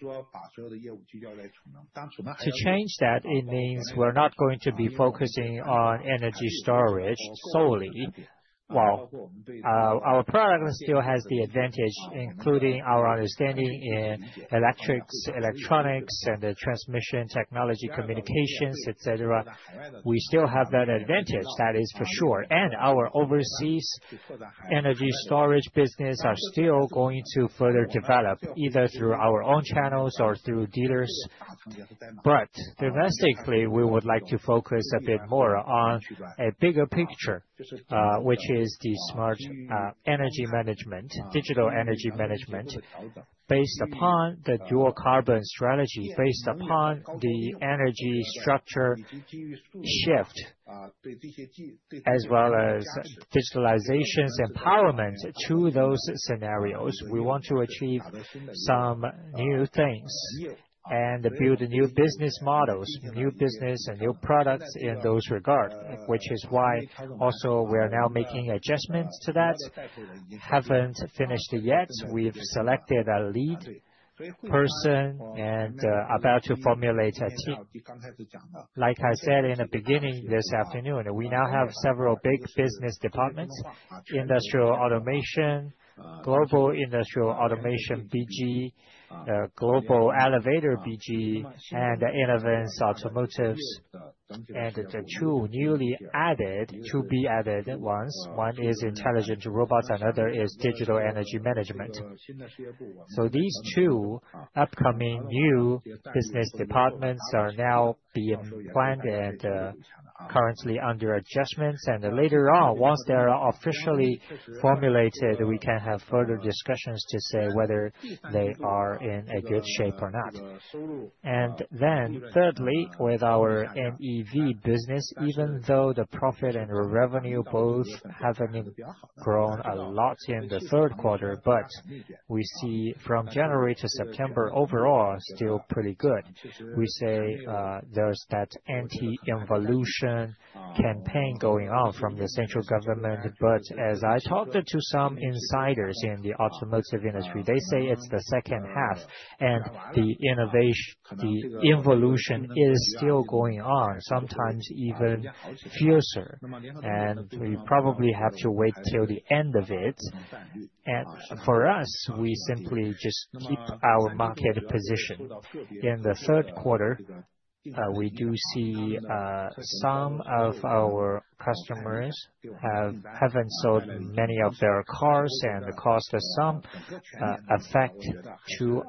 To change that, it means we're not going to be focusing on energy storage solely. Our product still has the advantage, including our understanding in electrics, electronics, and the transmission technology, communications, etc. We still have that advantage, that is for sure. And our overseas energy storage business is still going to further develop either through our own channels or through dealers. But domestically, we would like to focus a bit more on a bigger picture, which is the smart energy management, Digital Energy Management based upon the dual carbon strategy, based upon the energy structure shift, as well as digitalization's empowerment to those scenarios. We want to achieve some new things and build new business models, new business and new products in those regards, which is why also we are now making adjustments to that. Haven't finished yet. We've selected a lead person and are about to formulate a team. Like I said in the beginning this afternoon, we now have several big business departments: Industrial Automation, Global Industrial Automation BG, Global Elevator BG, and Inovance Automotive. And the two newly added, to-be-added ones, one is intelligent robots and another is Digital Energy Management. So these two upcoming new business departments are now being planned and currently under adjustments. And later on, once they are officially formulated, we can have further discussions to say whether they are in a good shape or not. And then thirdly, with our NEV business, even though the profit and revenue both haven't grown a lot in the third quarter, but we see from January to September overall still pretty good. We say there's that anti-involution campaign going on from the central government. But as I talked to some insiders in the automotive industry, they say it's the second half, and the innovation, the evolution is still going on, sometimes even fiercer. And we probably have to wait till the end of it. For us, we simply just keep our market position. In the third quarter, we do see some of our customers haven't sold many of their cars, and the cost of some affects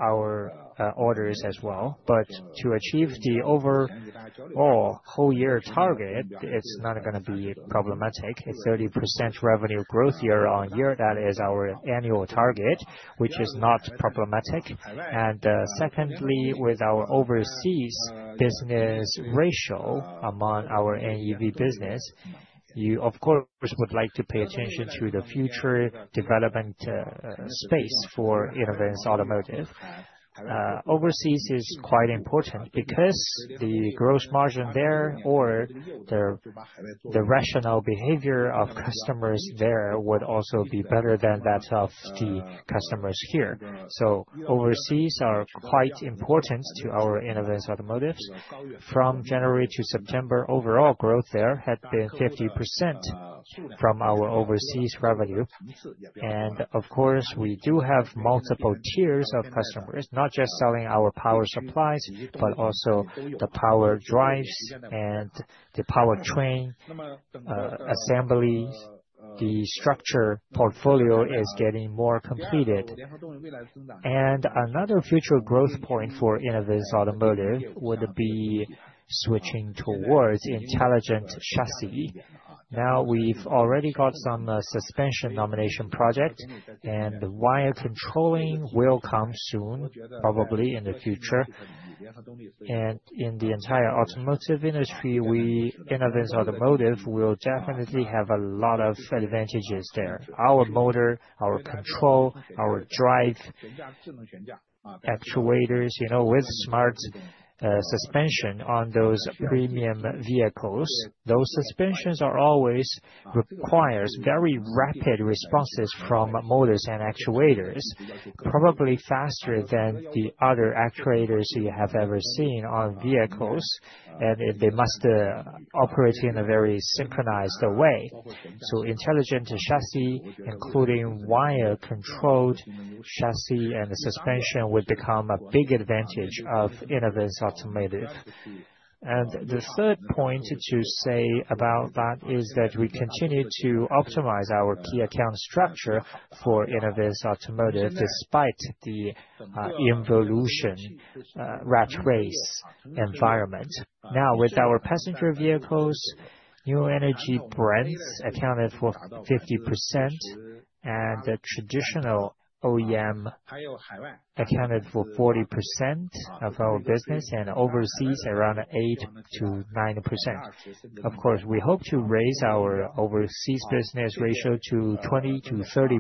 our orders as well. To achieve the overall whole year target, it's not going to be problematic. It's 30% revenue growth year on year. That is our annual target, which is not problematic. Secondly, with our overseas business ratio among our NEV business, you, of course, would like to pay attention to the future development space for Inovance Automotive. Overseas is quite important because the gross margin there or the rational behavior of customers there would also be better than that of the customers here. Overseas are quite important to our Inovance Automotive. From January to September, overall growth there had been 50% from our overseas revenue. And of course, we do have multiple tiers of customers, not just selling our power supplies, but also the power drives and the powertrain assemblies. The structure portfolio is getting more completed. And another future growth point for Inovance Automotive would be switching towards intelligent chassis. Now we've already got some suspension nomination projects, and wire controlling will come soon, probably in the future. And in the entire automotive industry, Inovance Automotive will definitely have a lot of advantages there. Our motor, our control, our drive actuators, with smart suspension on those premium vehicles. Those suspensions are always require very rapid responses from motors and actuators, probably faster than the other actuators you have ever seen on vehicles. And they must operate in a very synchronized way. So intelligent chassis, including wire-controlled chassis and suspension, would become a big advantage of Inovance Automotive. And the third point to say about that is that we continue to optimize our key account structure for Inovance Automotive despite the involution rat race environment. Now, with our passenger vehicles, new energy brands accounted for 50%, and the traditional OEM accounted for 40% of our business, and overseas around 8%-9%. Of course, we hope to raise our overseas business ratio to 20%-30%.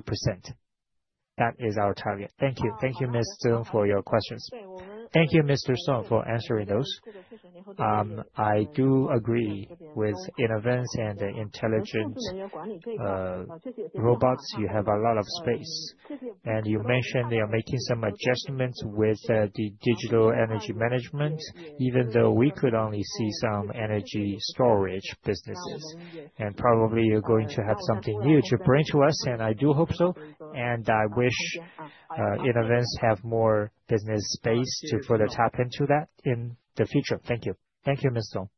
That is our target. Thank you. Thank you, Ms. Zeng, for your questions. Thank you, Mr. Song, for answering those. I do agree with Inovance and the intelligent robots. You have a lot of space, and you mentioned they are making some adjustments with the Digital Energy Management, even though we could only see some energy storage businesses, and probably you're going to have something new to bring to us, and I do hope so. I wish Inovance has more business space to further tap into that in the future. Thank you. Thank you, Mr. Song.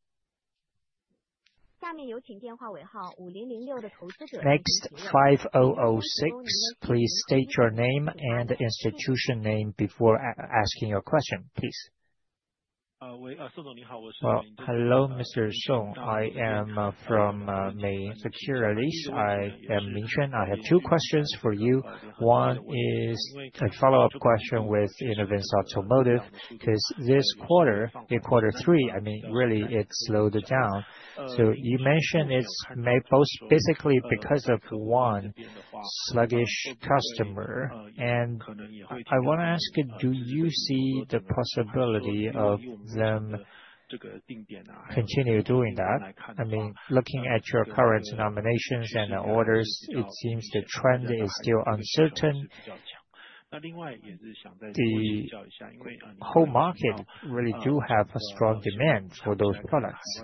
Next, 5006, please state your name and institution name before asking your question, please. Hello, Mr. Song. I am from May Securities. I have two questions for you. One is a follow-up question with Inovance Automotive because this quarter, in quarter three, I mean, really, it slowed down. So you mentioned it's made both basically because of one sluggish customer. And I want to ask you, do you see the possibility of them continuing doing that? I mean, looking at your current nominations and orders, it seems the trend is still uncertain. The whole market really does have a strong demand for those products.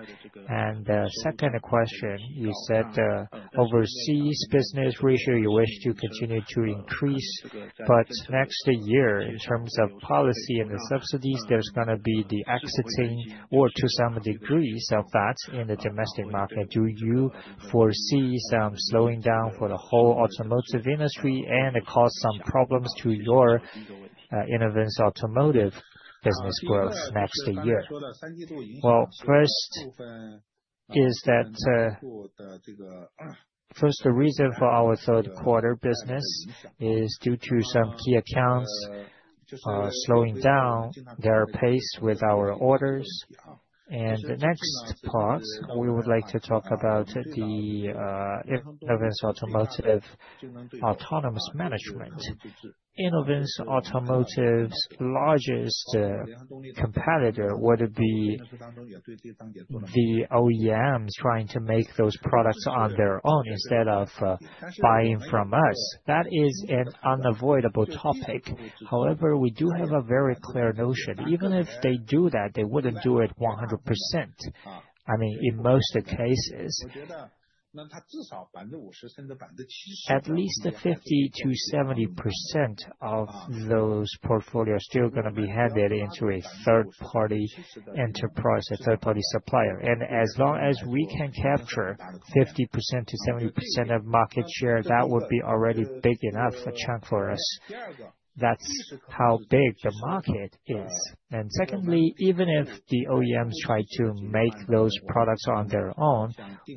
And the second question, you said the overseas business ratio you wish to continue to increase, but next year, in terms of policy and the subsidies, there's going to be the exiting or to some degree of that in the domestic market. Do you foresee some slowing down for the whole automotive industry and cause some problems to your Inovance Automotive business growth next year? Well, first is that first, the reason for our third quarter business is due to some key accounts slowing down their pace with our orders. And the next part, we would like to talk about the Inovance Automotive autonomous management. Inovance Automotive's largest competitor would be the OEMs trying to make those products on their own instead of buying from us. That is an unavoidable topic. However, we do have a very clear notion. Even if they do that, they wouldn't do it 100%. I mean, in most cases, at least 50%-70% of those portfolios are still going to be handed into a third-party enterprise, a third-party supplier. And as long as we can capture 50%-70% of market share, that would be already big enough a chunk for us. That's how big the market is. And secondly, even if the OEMs try to make those products on their own,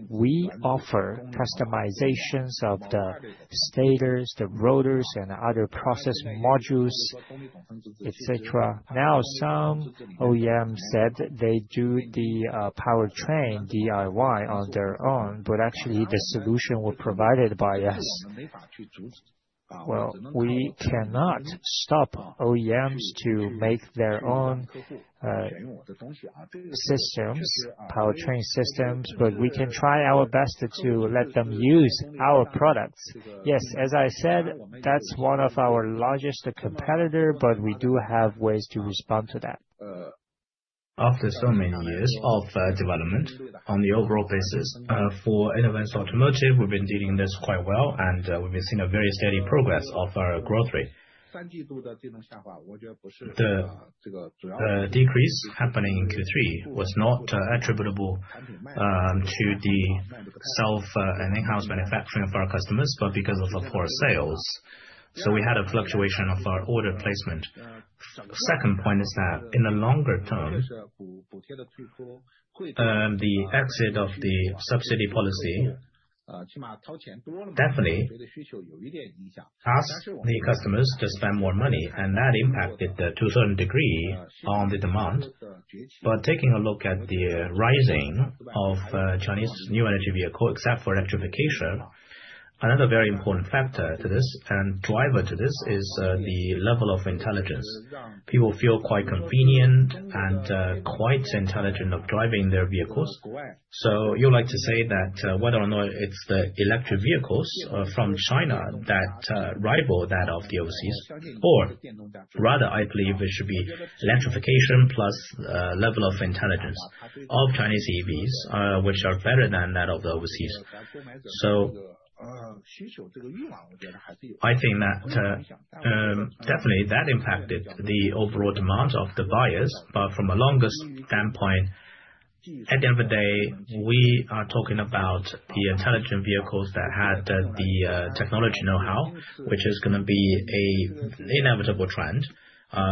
we offer customizations of the stators, the rotors, and other process modules, etc. Now, some OEMs said they do the powertrain DIY on their own, but actually the solution was provided by us. Well, we cannot stop OEMs to make their own systems, powertrain systems, but we can try our best to let them use our products. Yes, as I said, that's one of our largest competitors, but we do have ways to respond to that. After so many years of development on the overall basis for Inovance Automotive, we've been dealing with this quite well, and we've been seeing a very steady progress of our growth rate. The decrease happening in Q3 was not attributable to the self and in-house manufacturing for our customers, but because of poor sales, so we had a fluctuation of our order placement. Second point is that in the longer term, the exit of the subsidy policy definitely asked the customers to spend more money, and that impacted to a certain degree on the demand, but taking a look at the rising of Chinese new energy vehicles, except for electrification, another very important factor to this and driver to this is the level of intelligence. People feel quite convenient and quite intelligent of driving their vehicles. So you like to say that whether or not it's the electric vehicles from China that rival that of the overseas, or rather, I believe it should be electrification plus level of intelligence of Chinese EVs, which are better than that of the overseas, so I think that definitely that impacted the overall demand of the buyers, but from a longer standpoint, at the end of the day, we are talking about the intelligent vehicles that had the technology know-how, which is going to be an inevitable trend.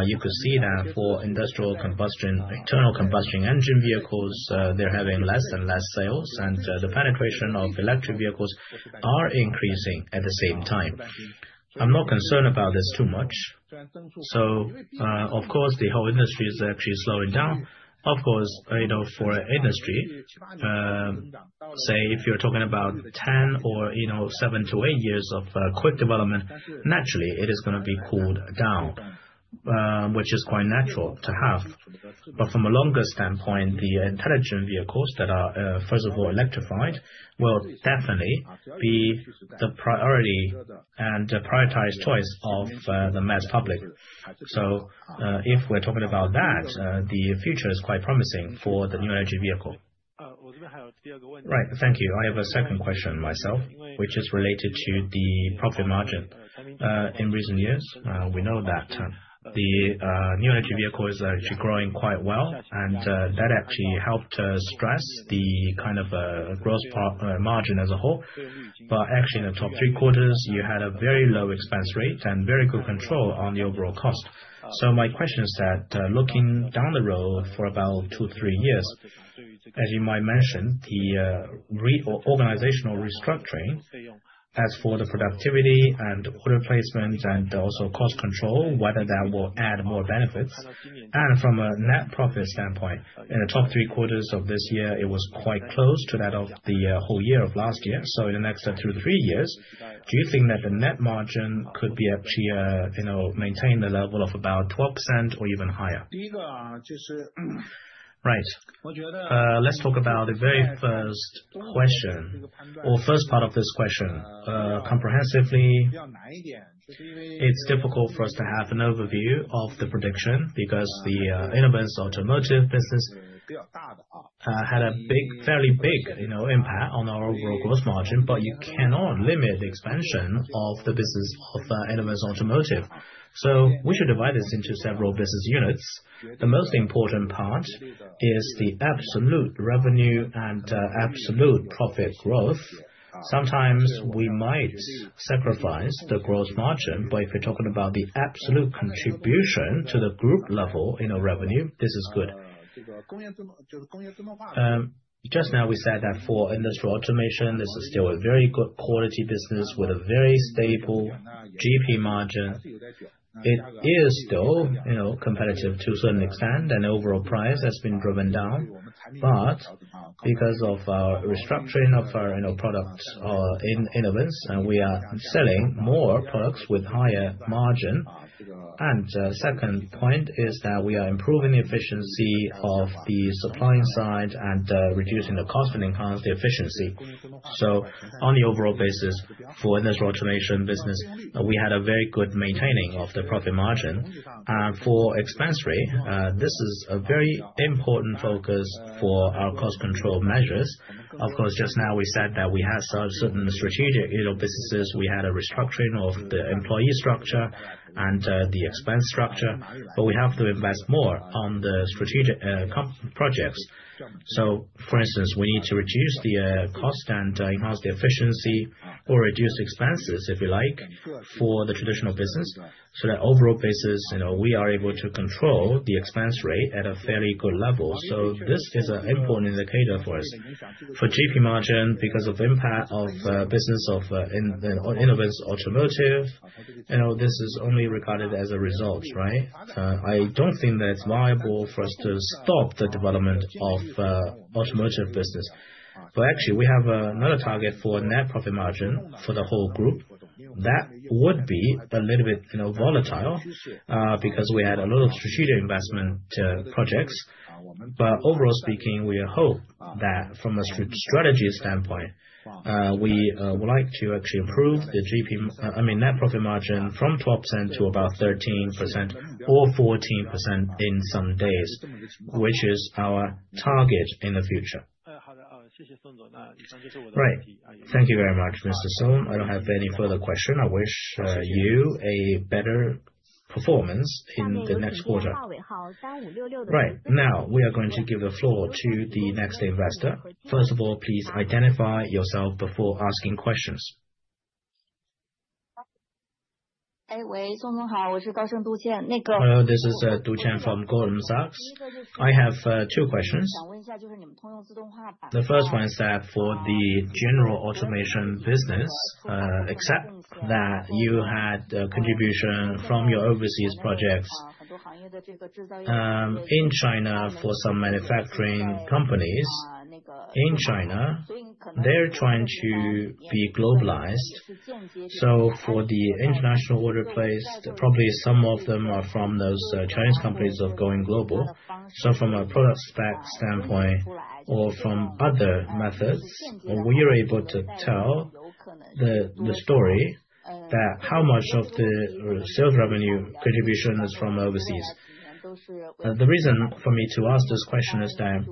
You could see that for industrial internal combustion engine vehicles, they're having less and less sales, and the penetration of electric vehicles is increasing at the same time. I'm not concerned about this too much, so of course, the whole industry is actually slowing down. Of course, for an industry, say, if you're talking about 10 or seven to eight years of quick development, naturally, it is going to be cooled down, which is quite natural to have. But from a longer standpoint, the intelligent vehicles that are, first of all, electrified, will definitely be the priority and prioritized choice of the mass public. So if we're talking about that, the future is quite promising for the new energy vehicle. Right. Thank you. I have a second question myself, which is related to the profit margin. In recent years, we know that the new energy vehicle is actually growing quite well, and that actually helped stress the kind of gross margin as a whole. But actually, in the top three quarters, you had a very low expense rate and very good control on the overall cost. My question is that looking down the road for about two to three years, as you might mention, the organizational restructuring as for the productivity and order placement and also cost control, whether that will add more benefits. From a net profit standpoint, in the first three quarters of this year, it was quite close to that of the whole year of last year. In the next two to three years, do you think that the net margin could be actually maintained at the level of about 12% or even higher? Right. Let's talk about the very first question or first part of this question comprehensively. It's difficult for us to have an overview of the prediction because the Inovance Automotive business had a fairly big impact on our overall gross margin, but you cannot limit the expansion of the business of Inovance Automotive. So we should divide this into several business units. The most important part is the absolute revenue and absolute profit growth. Sometimes we might sacrifice the gross margin, but if you're talking about the absolute contribution to the group level in revenue, this is good. Just now, we said that for Industrial Automation, this is still a very good quality business with a very stable GP margin. It is still competitive to a certain extent, and the overall price has been driven down. But because of our restructuring of our products in Inovance, we are selling more products with higher margin. And the second point is that we are improving the efficiency of the supplying side and reducing the cost and enhance the efficiency. So on the overall basis for Industrial Automation business, we had a very good maintaining of the profit margin. For expense rate, this is a very important focus for our cost control measures. Of course, just now, we said that we had certain strategic businesses. We had a restructuring of the employee structure and the expense structure, but we have to invest more on the strategic projects. So, for instance, we need to reduce the cost and enhance the efficiency or reduce expenses, if you like, for the traditional business. So that overall basis, we are able to control the expense rate at a fairly good level. So this is an important indicator for us. For GP margin, because of the impact of the business of Inovance Automotive, this is only regarded as a result, right? I don't think that it's viable for us to stop the development of the automotive business. But actually, we have another target for net profit margin for the whole group. That would be a little bit volatile because we had a lot of strategic investment projects. But overall speaking, we hope that from a strategy standpoint, we would like to actually improve the GP, I mean, net profit margin from 12% to about 13% or 14% in some days, which is our target in the future. Right. Thank you very much, Mr. Song. I don't have any further questions. I wish you a better performance in the next quarter. Right. Now, we are going to give the floor to the next investor. First of all, please identify yourself before asking questions. This is Du Qian from Goldman Sachs. I have two questions. The first one is that for the General Automation business, except that you had contribution from your overseas projects in China for some manufacturing companies, in China, they're trying to be globalized. For the international order placed, probably some of them are from those Chinese companies of going global. So from a product spec standpoint or from other methods, we are able to tell the story that how much of the sales revenue contribution is from overseas. The reason for me to ask this question is that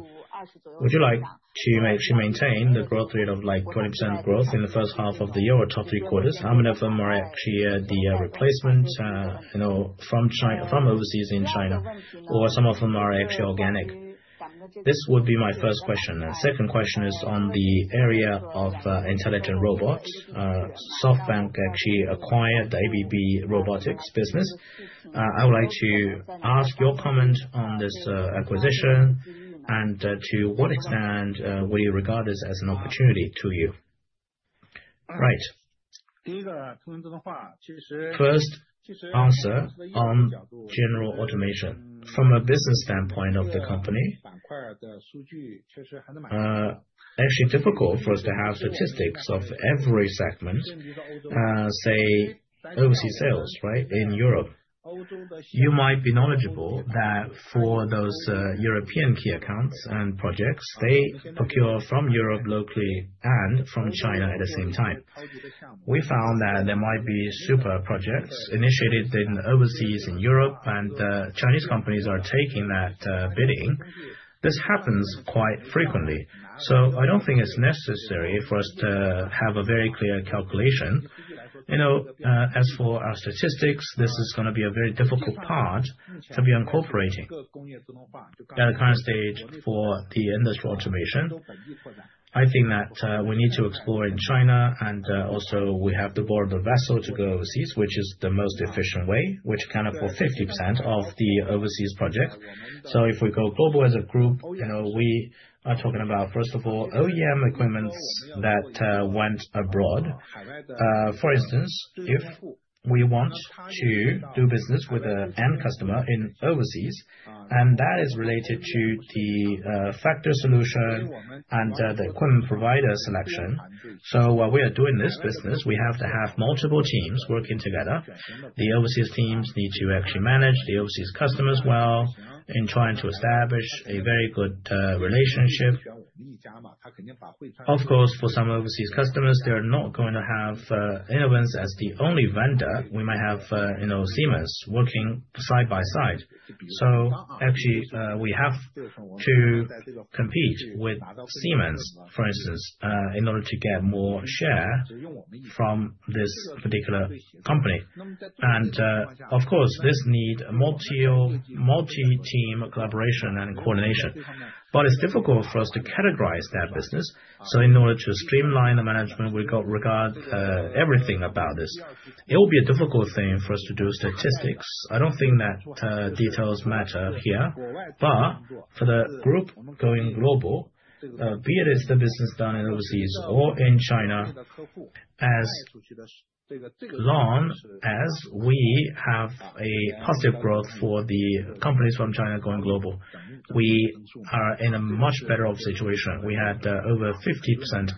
would you like to actually maintain the growth rate of like 20% growth in the first half of the year or top three quarters? How many of them are actually the replacement from overseas in China, or some of them are actually organic? This would be my first question. The second question is on the area of intelligent robots. SoftBank actually acquired the ABB Robotics business. I would like to ask your comment on this acquisition and to what extent would you regard this as an opportunity to you? Right. First answer on General Automation. From a business standpoint of the company, it's actually difficult for us to have statistics of every segment, say, overseas sales, right, in Europe. You might be knowledgeable that for those European key accounts and projects, they procure from Europe locally and from China at the same time. We found that there might be super projects initiated in overseas in Europe, and Chinese companies are taking that bidding. This happens quite frequently. So I don't think it's necessary for us to have a very clear calculation. As for our statistics, this is going to be a very difficult part to be incorporating at the current stage for the Industrial Automation. I think that we need to explore in China, and also we have the board of the vessel to go overseas, which is the most efficient way, which can afford 50% of the overseas project. So if we go global as a group, we are talking about, first of all, OEM equipments that went abroad. For instance, if we want to do business with an end customer in overseas, and that is related to the factory solution and the equipment provider selection. So while we are doing this business, we have to have multiple teams working together. The overseas teams need to actually manage the overseas customers well in trying to establish a very good relationship. Of course, for some overseas customers, they are not going to have Inovance as the only vendor. We might have Siemens working side by side. So actually, we have to compete with Siemens, for instance, in order to get more share from this particular company. And of course, this needs multi-team collaboration and coordination. But it's difficult for us to categorize that business. In order to streamline the management, we've got to regard everything about this. It will be a difficult thing for us to do statistics. I don't think that details matter here. But for the group going global, be it the business done in overseas or in China, as long as we have a positive growth for the companies from China going global, we are in a much better situation. We had over 50%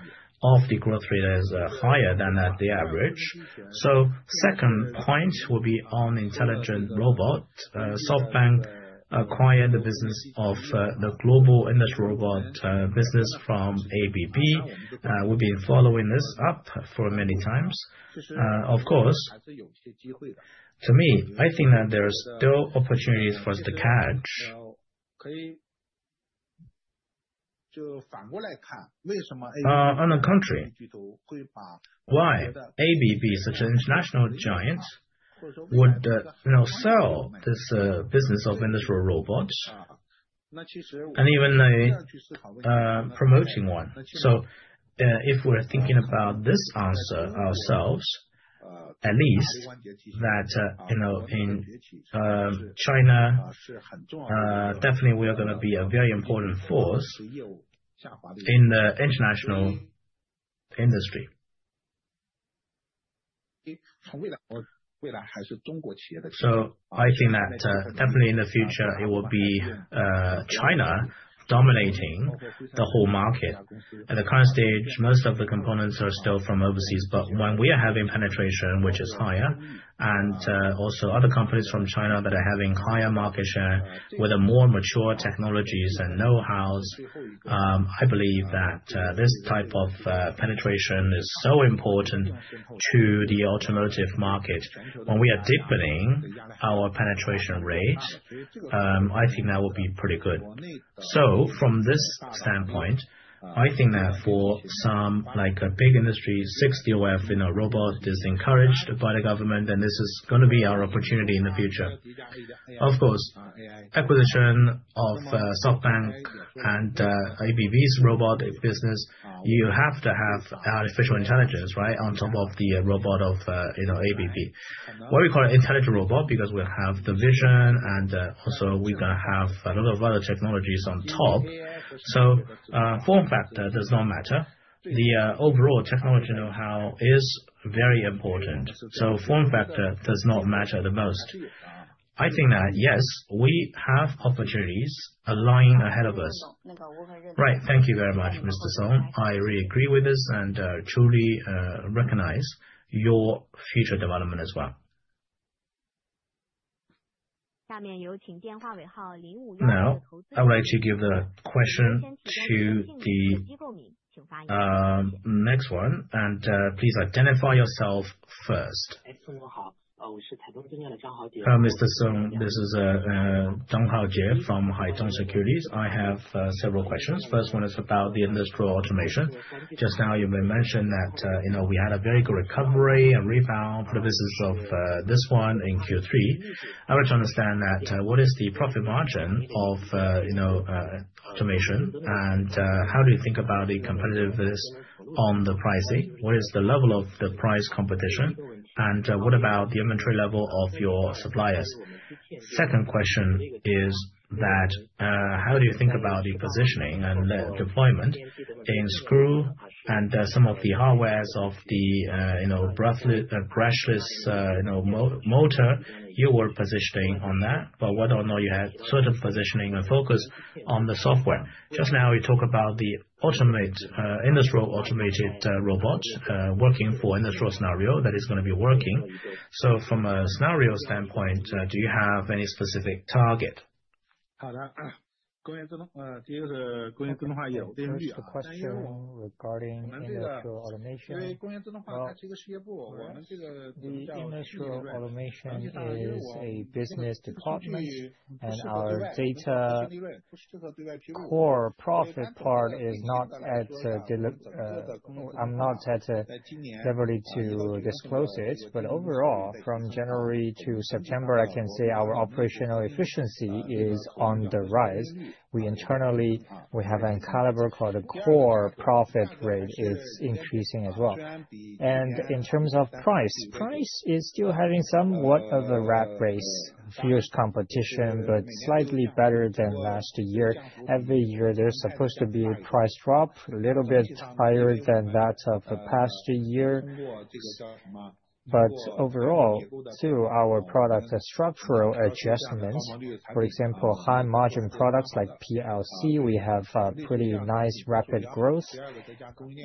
growth rate higher than the average. The second point will be on intelligent robot. SoftBank acquired the business of the global industrial robot business from ABB. We've been following this up for many times. Of course, to me, I think that there are still opportunities for us to catch. On the contrary, why ABB, such an international giant, would sell this business of industrial robots and even promoting one? So if we're thinking about this answer ourselves, at least in China, definitely we are going to be a very important force in the international industry. So I think that definitely in the future, it will be China dominating the whole market. At the current stage, most of the components are still from overseas. But when we are having penetration, which is higher, and also other companies from China that are having higher market share with more mature technologies and know-hows, I believe that this type of penetration is so important to the automotive market. When we are deepening our penetration rate, I think that will be pretty good. So from this standpoint, I think that for some big industries, 60 or whatever robots are encouraged by the government, then this is going to be our opportunity in the future. Of course, acquisition of SoftBank and ABB's robot business, you have to have artificial intelligence, right, on top of the robot of ABB. Why we call it intelligent robot? Because we have the vision, and also we're going to have a lot of other technologies on top. So form factor does not matter. The overall technology know-how is very important. So form factor does not matter the most. I think that, yes, we have opportunities lying ahead of us. Right. Thank you very much, Mr. Song. I really agree with this and truly recognize your future development as well. I would like to give the question to the next one and please identify yourself first. Mr. Song, this is Zhang Haojie from Haitong Securities. I have several questions. First one is about the Industrial Automation. Just now, you mentioned that we had a very good recovery and rebound for the business of this one in Q3. I want to understand that what is the profit margin of automation, and how do you think about the competitiveness on the pricing? What is the level of the price competition, and what about the inventory level of your suppliers? Second question is that how do you think about the positioning and deployment in screw and some of the hardware of the brushless motor you were positioning on that? But whether or not you had sort of positioning and focus on the software. Just now, you talked about the industrial automated robot working for industrial scenario that is going to be working. So from a scenario standpoint, do you have any specific target? But overall, from January to September, I can say our operational efficiency is on the rise. We internally have a caliber called a core profit rate. It's increasing as well, and in terms of price, price is still having somewhat of a rat race, fierce competition, but slightly better than last year. Every year, there's supposed to be a price drop, a little bit higher than that of the past year, but overall, too, our product structural adjustments, for example, high margin products like PLC, we have pretty nice rapid growth,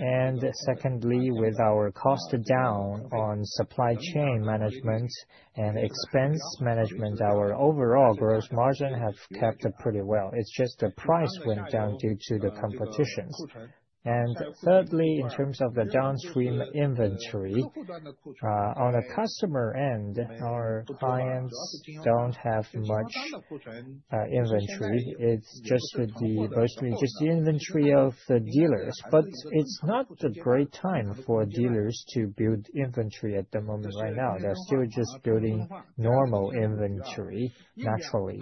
and secondly, with our cost down on supply chain management and expense management, our overall gross margin has kept up pretty well. It's just the price went down due to the competitions, and thirdly, in terms of the downstream inventory, on a customer end, our clients don't have much inventory. It's just the inventory of the dealers, but it's not a great time for dealers to build inventory at the moment right now. They're still just building normal inventory naturally,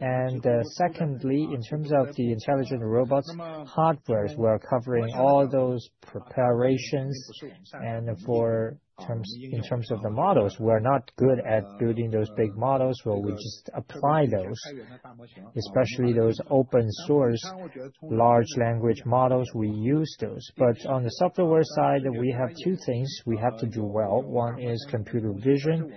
and secondly, in terms of the intelligent robots, hardware is well covering all those preparations. And in terms of the models, we're not good at building those big models, well, we just apply those, especially those open-source large language models. We use those, but on the software side, we have two things we have to do well. One is computer vision,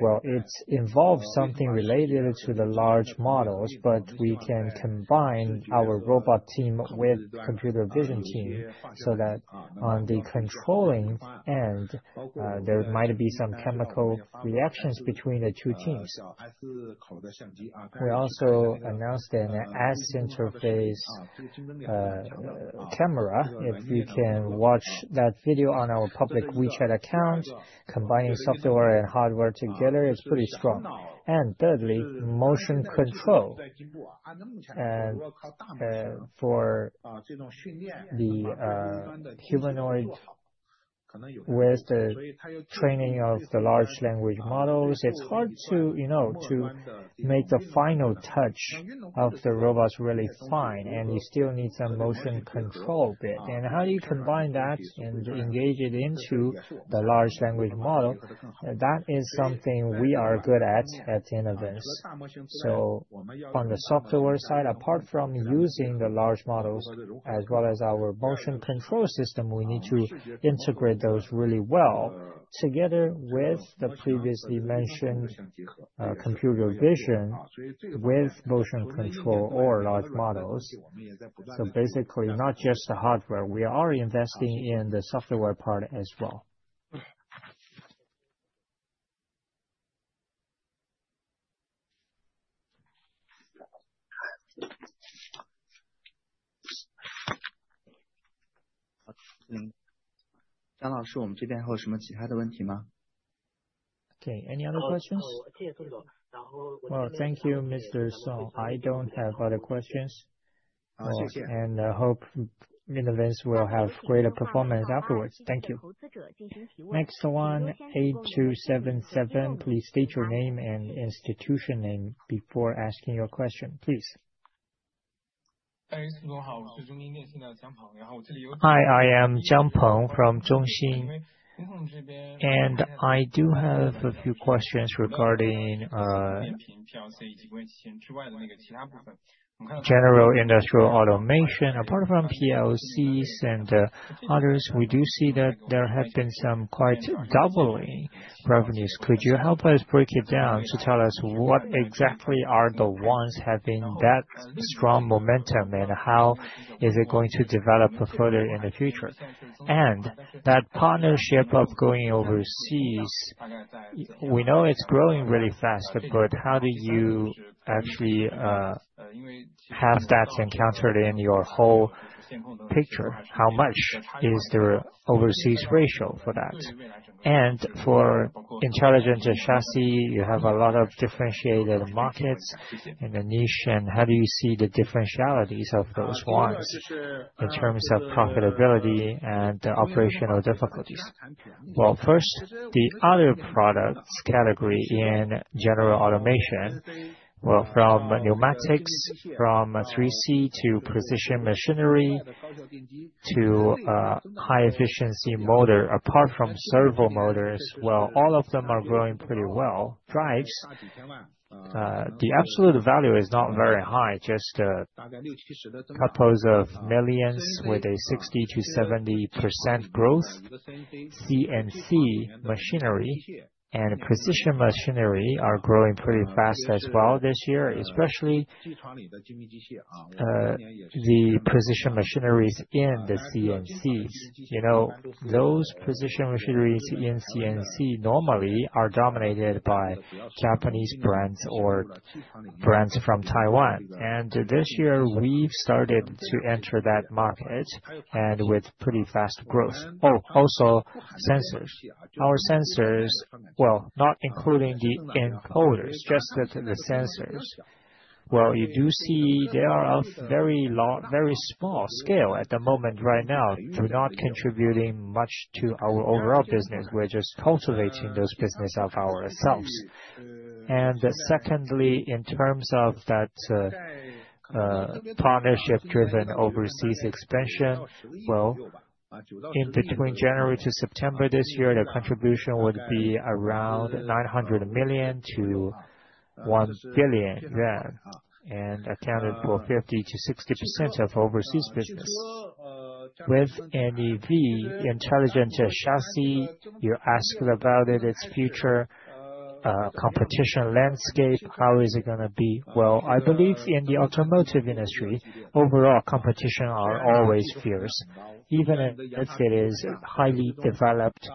well, it involves something related to the large models, but we can combine our robot team with the computer vision team so that on the controlling end, there might be some chemical reactions between the two teams. We also announced an AI interface camera. If you can watch that video on our public WeChat account, combining software and hardware together, it's pretty strong, and thirdly, motion control. And for the humanoid with the training of the large language models, it's hard to make the final touch of the robots really fine, and you still need some motion control bit. And how do you combine that and engage it into the large language model? That is something we are good at at the end of this. So on the software side, apart from using the large models as well as our motion control system, we need to integrate those really well together with the previously mentioned computer vision with motion control or large models. So basically, not just the hardware. We are investing in the software part as well. Okay. Any other questions? Well, thank you, Mr. Song. I don't have other questions. And I hope Inovance will have greater performance afterwards. Thank you. Next one, 8277. Please state your name and institution name before asking your question, please. Hi, I am from Zhongxin. And I do have a few questions regarding general Industrial Automation. Apart from PLCs and others, we do see that there have been some quite doubling revenues. Could you help us break it down to tell us what exactly are the ones having that strong momentum and how is it going to develop further in the future? And that portion of going overseas, we know it's growing really fast, but how do you actually have that accounted in your whole picture? How much is the overseas ratio for that? And for intelligent chassis, you have a lot of differentiated markets in the niche. And how do you see the differentialities of those ones in terms of profitability and operational difficulties? Well, first, the other products category in General Automation, well, from pneumatics, from 3C to precision machinery to high-efficiency motor, apart from servo motors, well, all of them are growing pretty well. Drives, the absolute value is not very high, just a couple of millions with a 60%-70% growth. CNC machinery and precision machinery are growing pretty fast as well this year, especially the precision machineries in the CNCs. Those precision machineries in CNC normally are dominated by Japanese brands or brands from Taiwan, and this year, we've started to enter that market and with pretty fast growth. Oh, also sensors. Our sensors, well, not including the encoders, just the sensors. Well, you do see they are of very small scale at the moment right now, do not contribute much to our overall business. We're just cultivating those businesses of ourselves. Secondly, in terms of that partnership-driven overseas expansion, well, between January to September this year, the contribution would be around 900 million-1 billion yuan and accounted for 50%-60% of overseas business. With NEV, intelligent chassis, you asked about its future competition landscape. How is it going to be? Well, I believe in the automotive industry, overall competition is always fierce. Even if it is highly developed,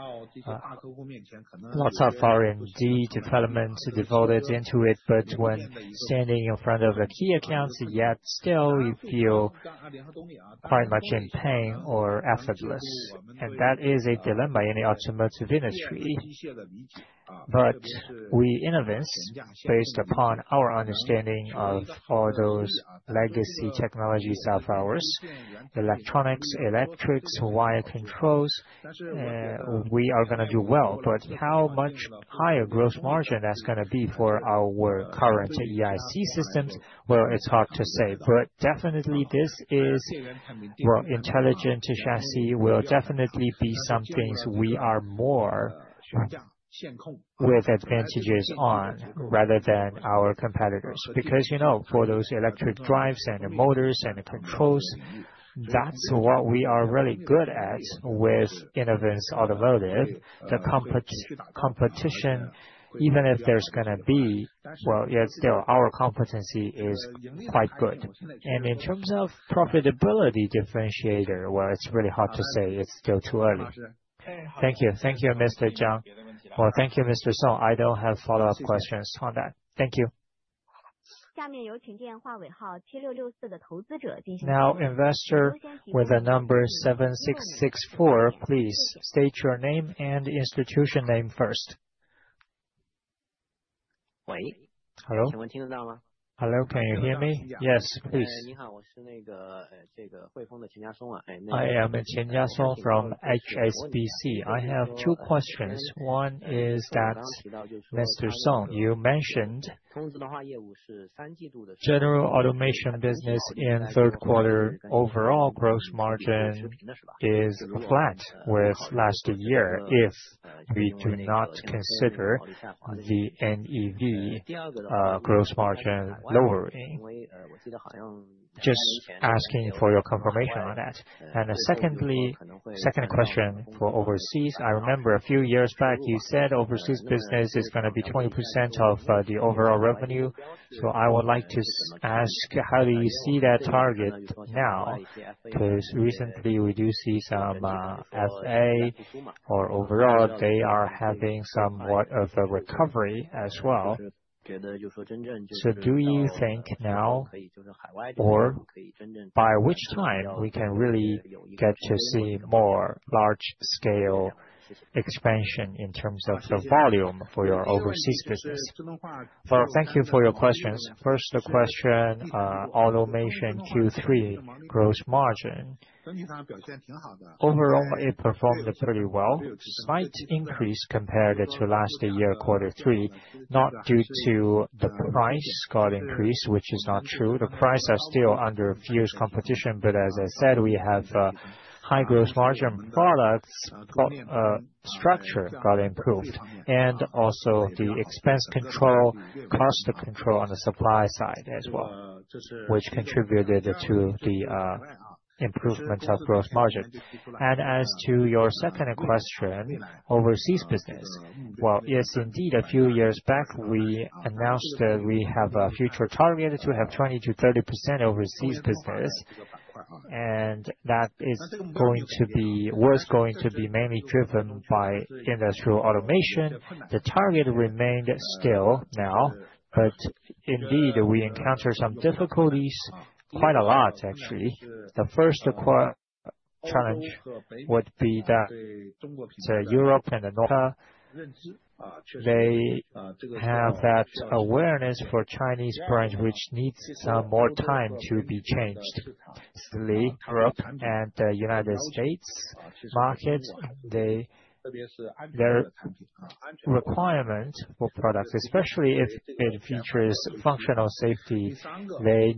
lots of R&D development devoted into it, but when standing in front of key accounts, yet still you feel quite much in pain or effortless. That is a dilemma in the automotive industry. But we Inovance, based upon our understanding of all those legacy technologies of ours, electronics, electrics, wire controls, we are going to do well. But how much higher gross margin that's going to be for our current EIC systems? Well, it's hard to say. But definitely, this is. Well, intelligent chassis will definitely be some things we are more with advantages on rather than our competitors. Because for those electric drives and motors and controls, that's what we are really good at with Inovance Automotive. The competition, even if there's going to be, well, yet still our competency is quite good. And in terms of profitability differentiator, well, it's really hard to say. It's still too early. Thank you. Thank you, Mr. John. Well, thank you, Mr. Song. I don't have follow-up questions on that. Thank you. Now, investor with the number 7664, please state your name and institution name first. Hello? Hello? Can you hear me? Yes, please. I am Qian Jiasong from HSBC. I have two questions. One is that, Mr. Song, you mentioned General Automation business in third quarter. Overall gross margin is flat with last year if we do not consider the NEV gross margin lowering. Just asking for your confirmation on that. And secondly, second question for overseas. I remember a few years back, you said overseas business is going to be 20% of the overall revenue. So I would like to ask how do you see that target now? Because recently, we do see some FA or overall, they are having somewhat of a recovery as well. So do you think now or by which time we can really get to see more large-scale expansion in terms of the volume for your overseas business? Well, thank you for your questions. First question, automation Q3 gross margin. Overall, it performed pretty well. Slight increase compared to last year, quarter three, not due to the price got increased, which is not true. The price is still under fierce competition, but as I said, we have high gross margin products, structure got improved, and also the expense control, cost control on the supply side as well, which contributed to the improvement of gross margin, and as to your second question, overseas business, well, yes, indeed, a few years back, we announced that we have a future target to have 20%-30% overseas business, and that is going to be worth going to be mainly driven by Industrial Automation. The target remained still now, but indeed, we encountered some difficulties quite a lot, actually. The first challenge would be that Europe and the U.S., they have that awareness for Chinese brands, which needs some more time to be changed. Basically, Europe and the United States market, their requirement for products, especially if it features functional safety, they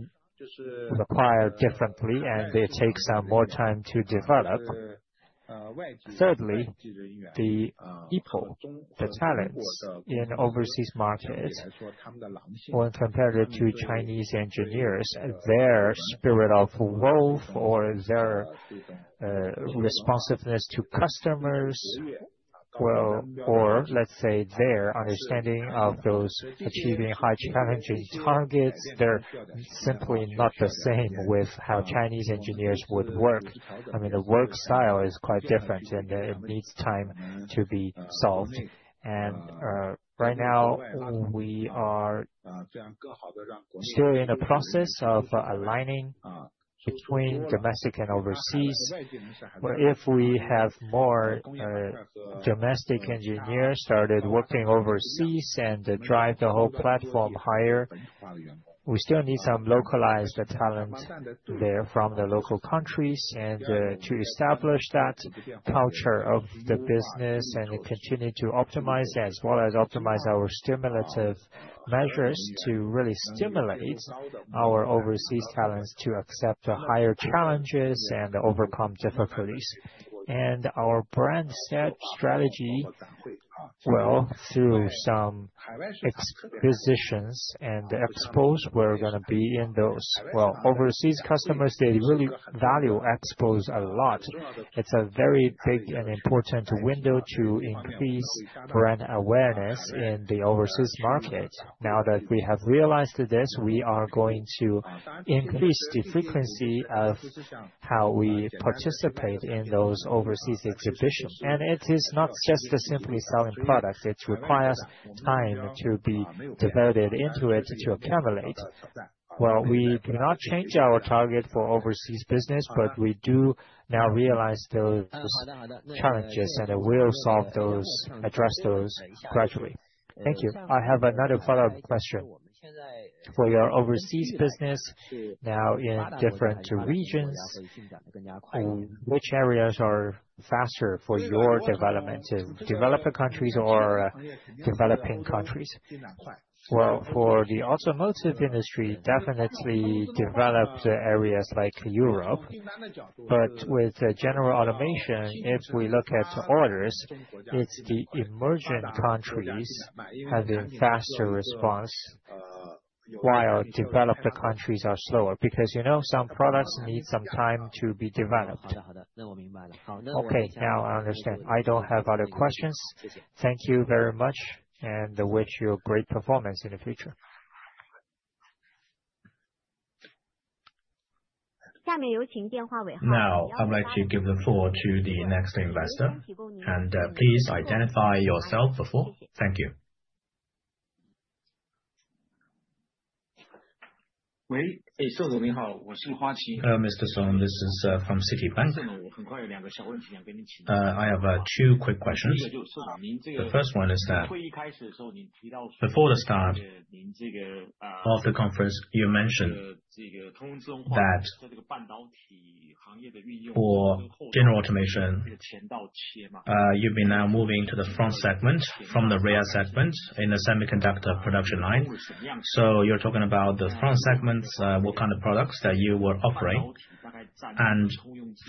require differently, and it takes some more time to develop. Thirdly, the people, the talents in overseas markets, when compared to Chinese engineers, their spirit of wolf or their responsiveness to customers, or let's say their understanding of those achieving highly challenging targets, they're simply not the same with how Chinese engineers would work. I mean, the work style is quite different, and it needs time to be solved, and right now, we are still in the process of aligning between domestic and overseas. But if we have more domestic engineers started working overseas and drive the whole platform higher, we still need some localized talent there from the local countries to establish that culture of the business and continue to optimize as well as optimize our stimulative measures to really stimulate our overseas talents to accept the higher challenges and overcome difficulties. And our brand strategy, well, through some expositions and expos, we're going to be in those. Well, overseas customers, they really value expos a lot. It's a very big and important window to increase brand awareness in the overseas market. Now that we have realized this, we are going to increase the frequency of how we participate in those overseas exhibitions. And it is not just simply selling products. It requires time to be devoted into it to accumulate. Well, we do not change our target for overseas business, but we do now realize those challenges, and we'll solve those, address those gradually. Thank you. I have another follow-up question. For your overseas business now in different regions, which areas are faster for your development? Developed countries or developing countries? Well, for the automotive industry, definitely developed areas like Europe. But with General Automation, if we look at orders, it's the emerging countries having faster response while developed countries are slower because some products need some time to be developed. Okay, now I understand. I don't have other questions. Thank you very much, and I wish you a great performance in the future. Now, I'd like to give the floor to the next investor, and please identify yourself before. Thank you. Mr. Song, this is from Citibank. I have two quick questions. The first one is that before the start of the conference, you mentioned that for General Automation, you've been now moving to the front segment from the rear segment in the semiconductor production line. So you're talking about the front segments. What kind of products that you were offering? And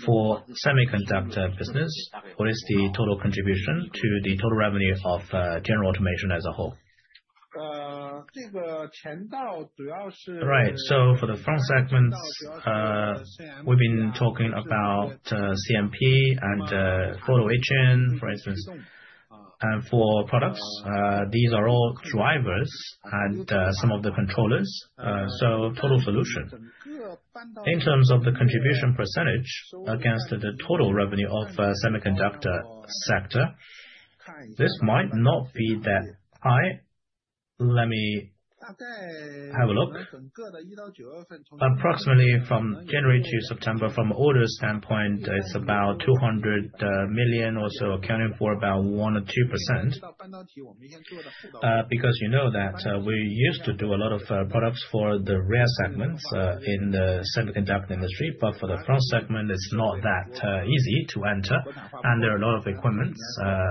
for semiconductor business, what is the total contribution to the total revenue of General Automation as a whole? Right. So for the front segments, we've been talking about CMP and photolithography, for instance. And for products, these are all drivers and some of the controllers. So total solution. In terms of the contribution percentage against the total revenue of the semiconductor sector, this might not be that high. Let me have a look. Approximately from January to September, from an order standpoint, it's about 200 million or so, accounting for about 1%-2%. Because you know that we used to do a lot of products for the rear segments in the semiconductor industry, but for the front segment, it's not that easy to enter. And there are a lot of equipment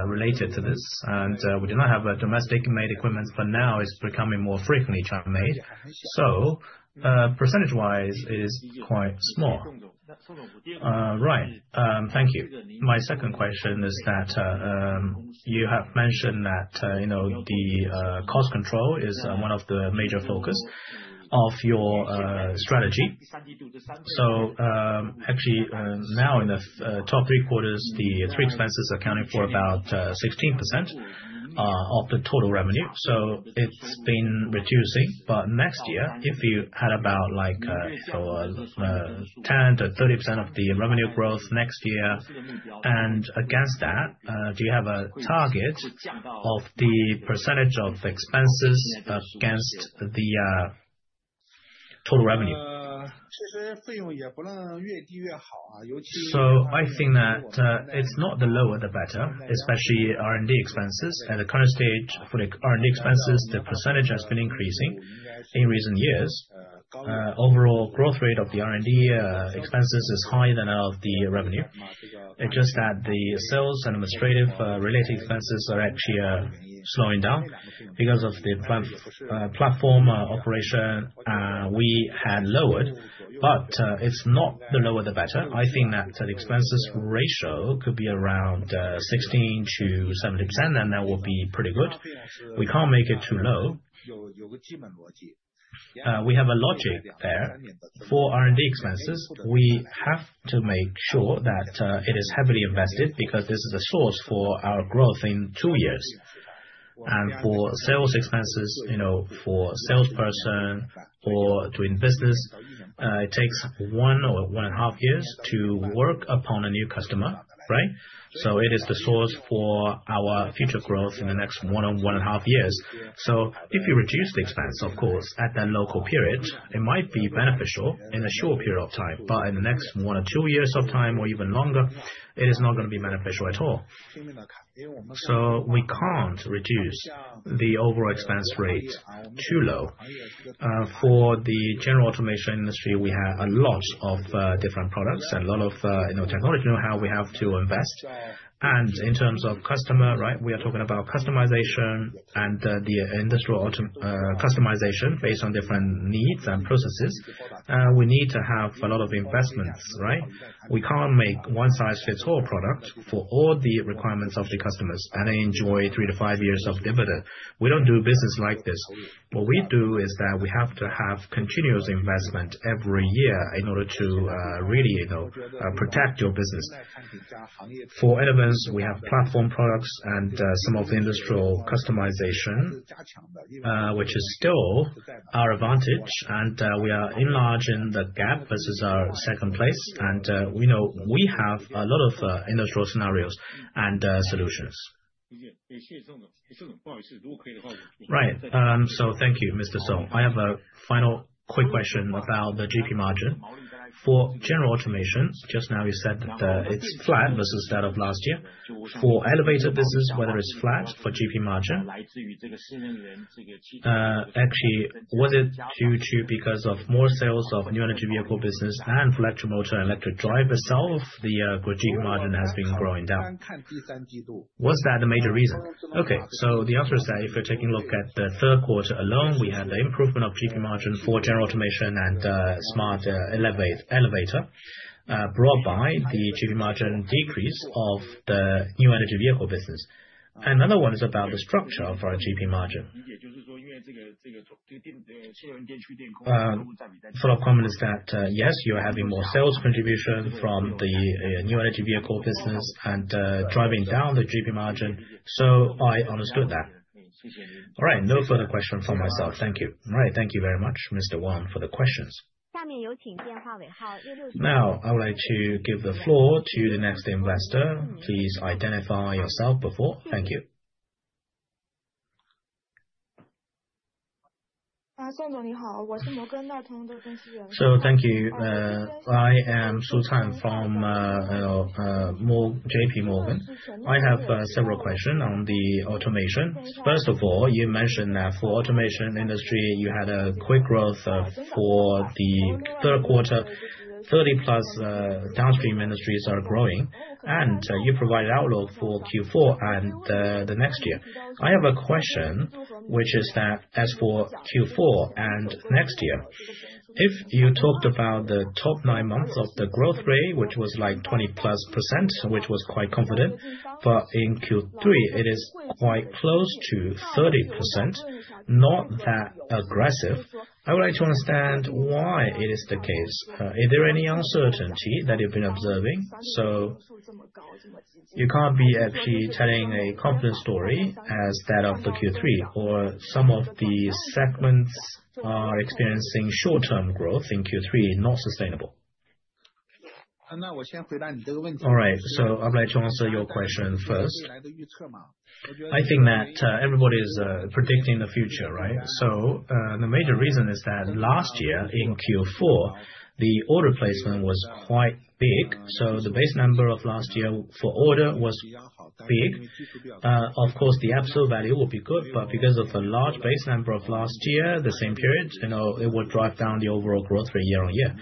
related to this. And we do not have domestic-made equipment, but now it's becoming more frequently made so. Percentage-wise, it is quite small. Right. Thank you. My second question is that you have mentioned that the cost control is one of the major focuses of your strategy. So actually, now in the top three quarters, the three expenses accounting for about 16% of the total revenue. So it's been reducing. But next year, if you had about 10%-30% of the revenue growth next year, and against that, do you have a target of the percentage of expenses against the total revenue? So I think that it's not the lower, the better, especially R&D expenses. At the current stage for the R&D expenses, the percentage has been increasing in recent years. Overall growth rate of the R&D expenses is higher than that of the revenue. It's just that the sales and administrative-related expenses are actually slowing down because of the platform operation we had lowered. But it's not the lower, the better. I think that the expenses ratio could be around 16%-70%, and that would be pretty good. We can't make it too low. We have a logic there for R&D expenses. We have to make sure that it is heavily invested because this is a source for our growth in two years. And for sales expenses, for salesperson or doing business, it takes one or one and a half years to work upon a new customer, right? So it is the source for our future growth in the next one and a half years. So if you reduce the expense, of course, at that local period, it might be beneficial in a short period of time. But in the next one or two years of time or even longer, it is not going to be beneficial at all. So we can't reduce the overall expense rate too low. For the General Automation industry, we have a lot of different products and a lot of technology know-how we have to invest. And in terms of customer, right, we are talking about customization and the industrial customization based on different needs and processes. We need to have a lot of investments, right? We can't make one-size-fits-all product for all the requirements of the customers, and they enjoy three to five years of dividend. We don't do business like this. What we do is that we have to have continuous investment every year in order to really protect your business. For inverters, we have platform products and some of the industrial customization, which is still our advantage. And we are enlarging the gap versus our second place. And we have a lot of industrial scenarios and solutions. Right. So thank you, Mr. Song. I have a final quick question about the GP margin. For General Automation, just now you said that it's flat versus that of last year. For elevator business, whether it's flat for GP margin, actually, was it due to because of more sales of new energy vehicle business and for electric motor and electric drive itself, the GP margin has been going down? Was that the major reason? Okay. So the answer is that if you're taking a look at the third quarter alone, we had the improvement of GP margin for General Automation and smart elevator brought by the GP margin decrease of the new energy vehicle business. Another one is about the structure of our GP margin. Follow-up comment is that, yes, you're having more sales contribution from the new energy vehicle business and driving down the GP margin. So I understood that. All right. No further questions from myself. Thank you. All right. Thank you very much, Mr. Qian, for the questions. Now, I would like to give the floor to the next investor. Please identify yourself before. Thank you. So thank you. I am Su Zhan from JP Morgan. I have several questions on the automation. First of all, you mentioned that for automation industry, you had a quick growth for the third quarter. 30-plus downstream industries are growing. You provided outlook for Q4 and the next year. I have a question, which is that as for Q4 and next year, if you talked about the first nine months of the growth rate, which was like 20-plus%, which was quite confident, but in Q3, it is quite close to 30%, not that aggressive. I would like to understand why it is the case. Is there any uncertainty that you've been observing? So you can't be actually telling a confident story as that of the Q3 or some of the segments are experiencing short-term growth in Q3, not sustainable. All right. I'd like to answer your question first. I think that everybody is predicting the future, right? The major reason is that last year in Q4, the order placement was quite big. So the base number of last year for order was big. Of course, the absolute value would be good, but because of the large base number of last year, the same period, it would drive down the overall growth rate year on year.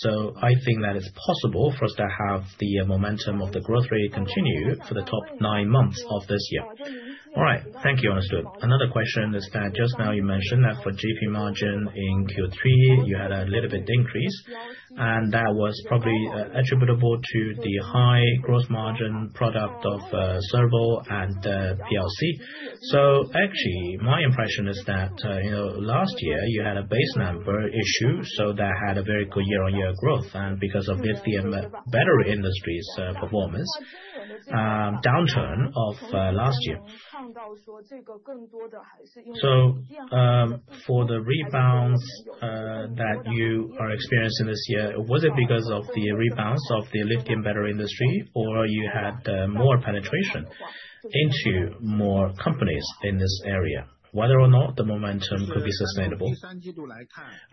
So I think that it's possible for us to have the momentum of the growth rate continue for the top nine months of this year. All right. Thank you. Understood. Another question is that just now you mentioned that for GP margin in Q3, you had a little bit increase, and that was probably attributable to the high gross margin product of servo and PLC. So actually, my impression is that last year, you had a base number issue. So that had a very good year-on-year growth. And because of lithium battery industry's performance, downturn of last year. So for the rebounds that you are experiencing this year, was it because of the rebounds of the lithium battery industry, or you had more penetration into more companies in this area, whether or not the momentum could be sustainable?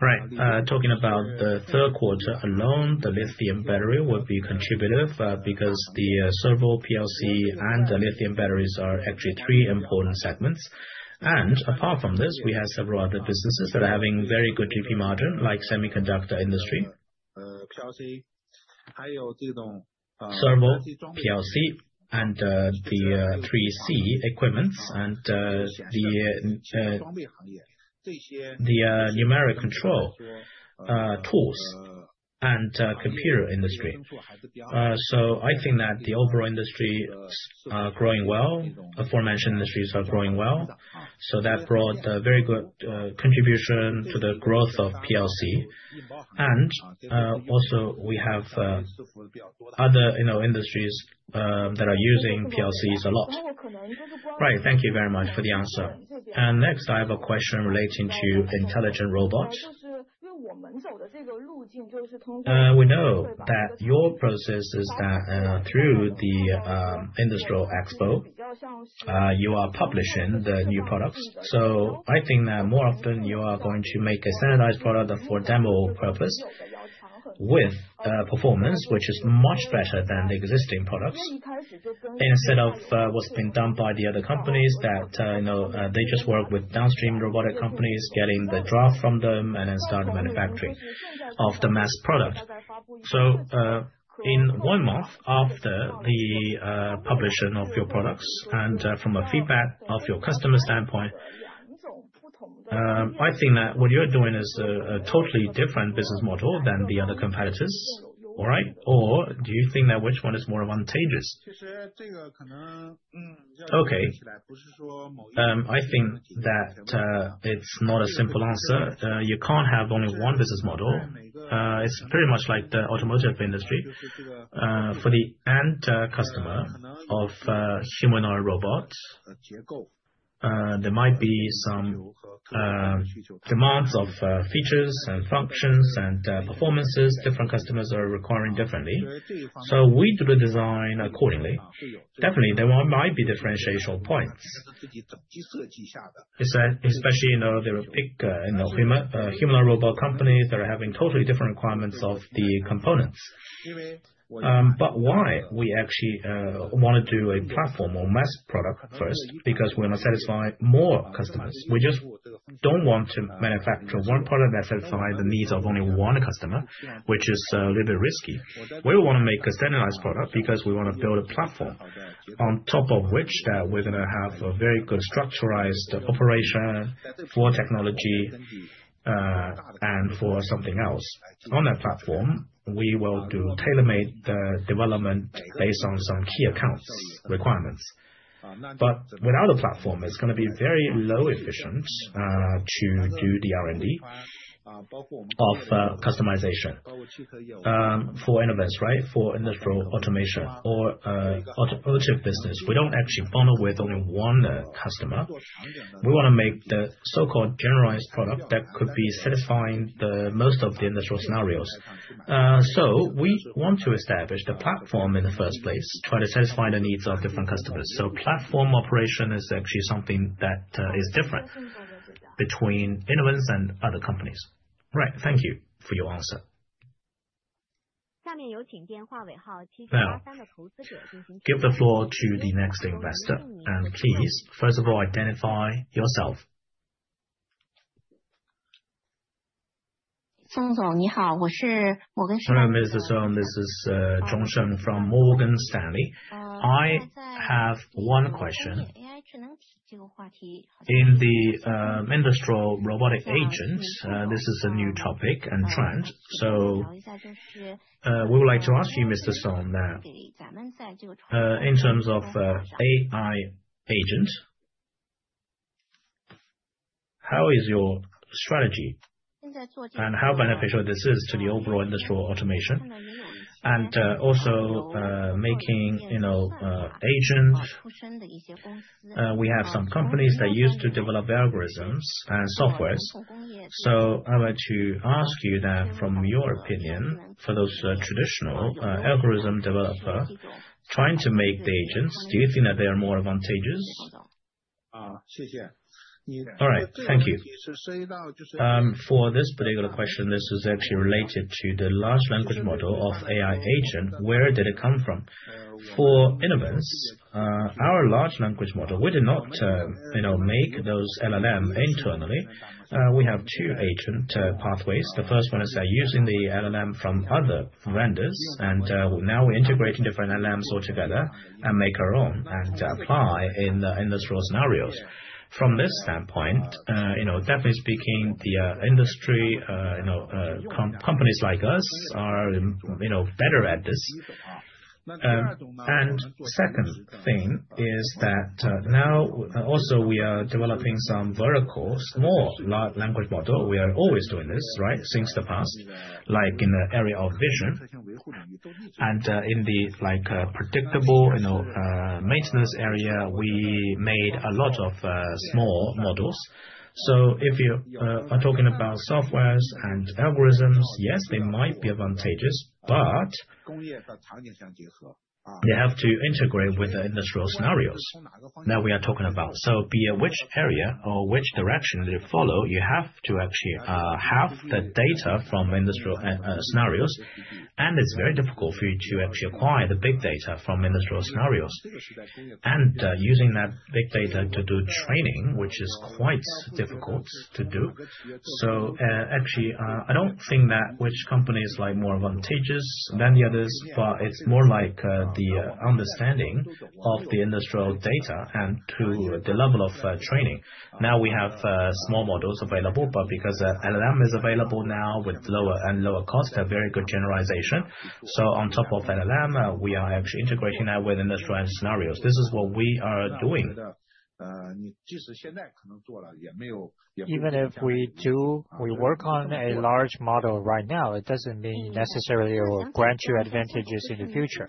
Right. Talking about the third quarter alone, the lithium battery would be contributed because the Servo PLC and the lithium batteries are actually three important segments. And apart from this, we have several other businesses that are having very good GP margin, like semiconductor industry. Servo PLC and the 3C equipments and the numeric control tools and computer industry. So I think that the overall industry is growing well. The aforementioned industries are growing well. So that brought a very good contribution to the growth of PLC. And also, we have other industries that are using PLCs a lot. Right. Thank you very much for the answer. And next, I have a question relating to intelligent robots. We know that your process is that through the industrial expo, you are publishing the new products. So I think that more often, you are going to make a standardized product for demo purpose with performance, which is much better than the existing products instead of what's been done by the other companies that they just work with downstream robotic companies, getting the draft from them, and then start the manufacturing of the mass product. So in one month after the publishing of your products and from a feedback of your customer standpoint, I think that what you're doing is a totally different business model than the other competitors, all right? Or do you think that which one is more advantageous? Okay. I think that it's not a simple answer. You can't have only one business model. It's pretty much like the automotive industry. For the end customer of humanoid robots, there might be some demands of features and functions and performances. Different customers are requiring differently. So we do the design accordingly. Definitely, there might be differentiation points, especially in the humanoid robot companies that are having totally different requirements of the components. But why we actually want to do a platform or mass product first? Because we want to satisfy more customers. We just don't want to manufacture one product that satisfies the needs of only one customer, which is a little bit risky. We want to make a standardized product because we want to build a platform on top of which we're going to have a very good structured operation for technology and for something else. On that platform, we will do tailor-made development based on some key accounts requirements. But without a platform, it's going to be very low efficient to do the R&D of customization for innovation, right? For Industrial Automation or automotive business. We don't actually bundle with only one customer. We want to make the so-called generalized product that could be satisfying most of the industrial scenarios. So we want to establish the platform in the first place, try to satisfy the needs of different customers. So platform operation is actually something that is different between Inovance and other companies. Right. Thank you for your answer. Give the floor to the next investor. And please, first of all, identify yourself. Hello, Mr. Song. This is Johnson from Morgan Stanley. I have one question. In the industrial robotic agents, this is a new topic and trend. So we would like to ask you, Mr.Song, that in terms of AI agents, how is your strategy and how beneficial this is to the overall Industrial Automation? And also making agents, we have some companies that used to develop algorithms and softwares. So I'd like to ask you that from your opinion, for those traditional algorithm developers trying to make the agents, do you think that they are more advantageous? All right. Thank you. For this particular question, this is actually related to the large language model of AI agents. Where did it come from? For Inovance, our large language model, we did not make those LLM internally. We have two agent pathways. The first one is using the LLM from other vendors. And now we integrate different LLMs altogether and make our own and apply in the industrial scenarios. From this standpoint, definitely speaking, the industry companies like us are better at this. And second thing is that now also we are developing some verticals, more large language models. We are always doing this, right, in the past, like in the area of vision. And in the predictive maintenance area, we made a lot of small models. So if you are talking about software and algorithms, yes, they might be advantageous, but they have to integrate with the industrial scenarios that we are talking about. So be it which area or which direction they follow, you have to actually have the data from industrial scenarios. And it's very difficult for you to actually acquire the big data from industrial scenarios. And using that big data to do training, which is quite difficult to do. So actually, I don't think that which company is more advantageous than the others, but it's more like the understanding of the industrial data and to the level of training. Now we have small models available, but because LLM is available now with lower and lower cost, a very good generalization. So on top of LLM, we are actually integrating that with industrial scenarios. This is what we are doing. Even if we work on a large model right now, it doesn't mean necessarily it will grant you advantages in the future.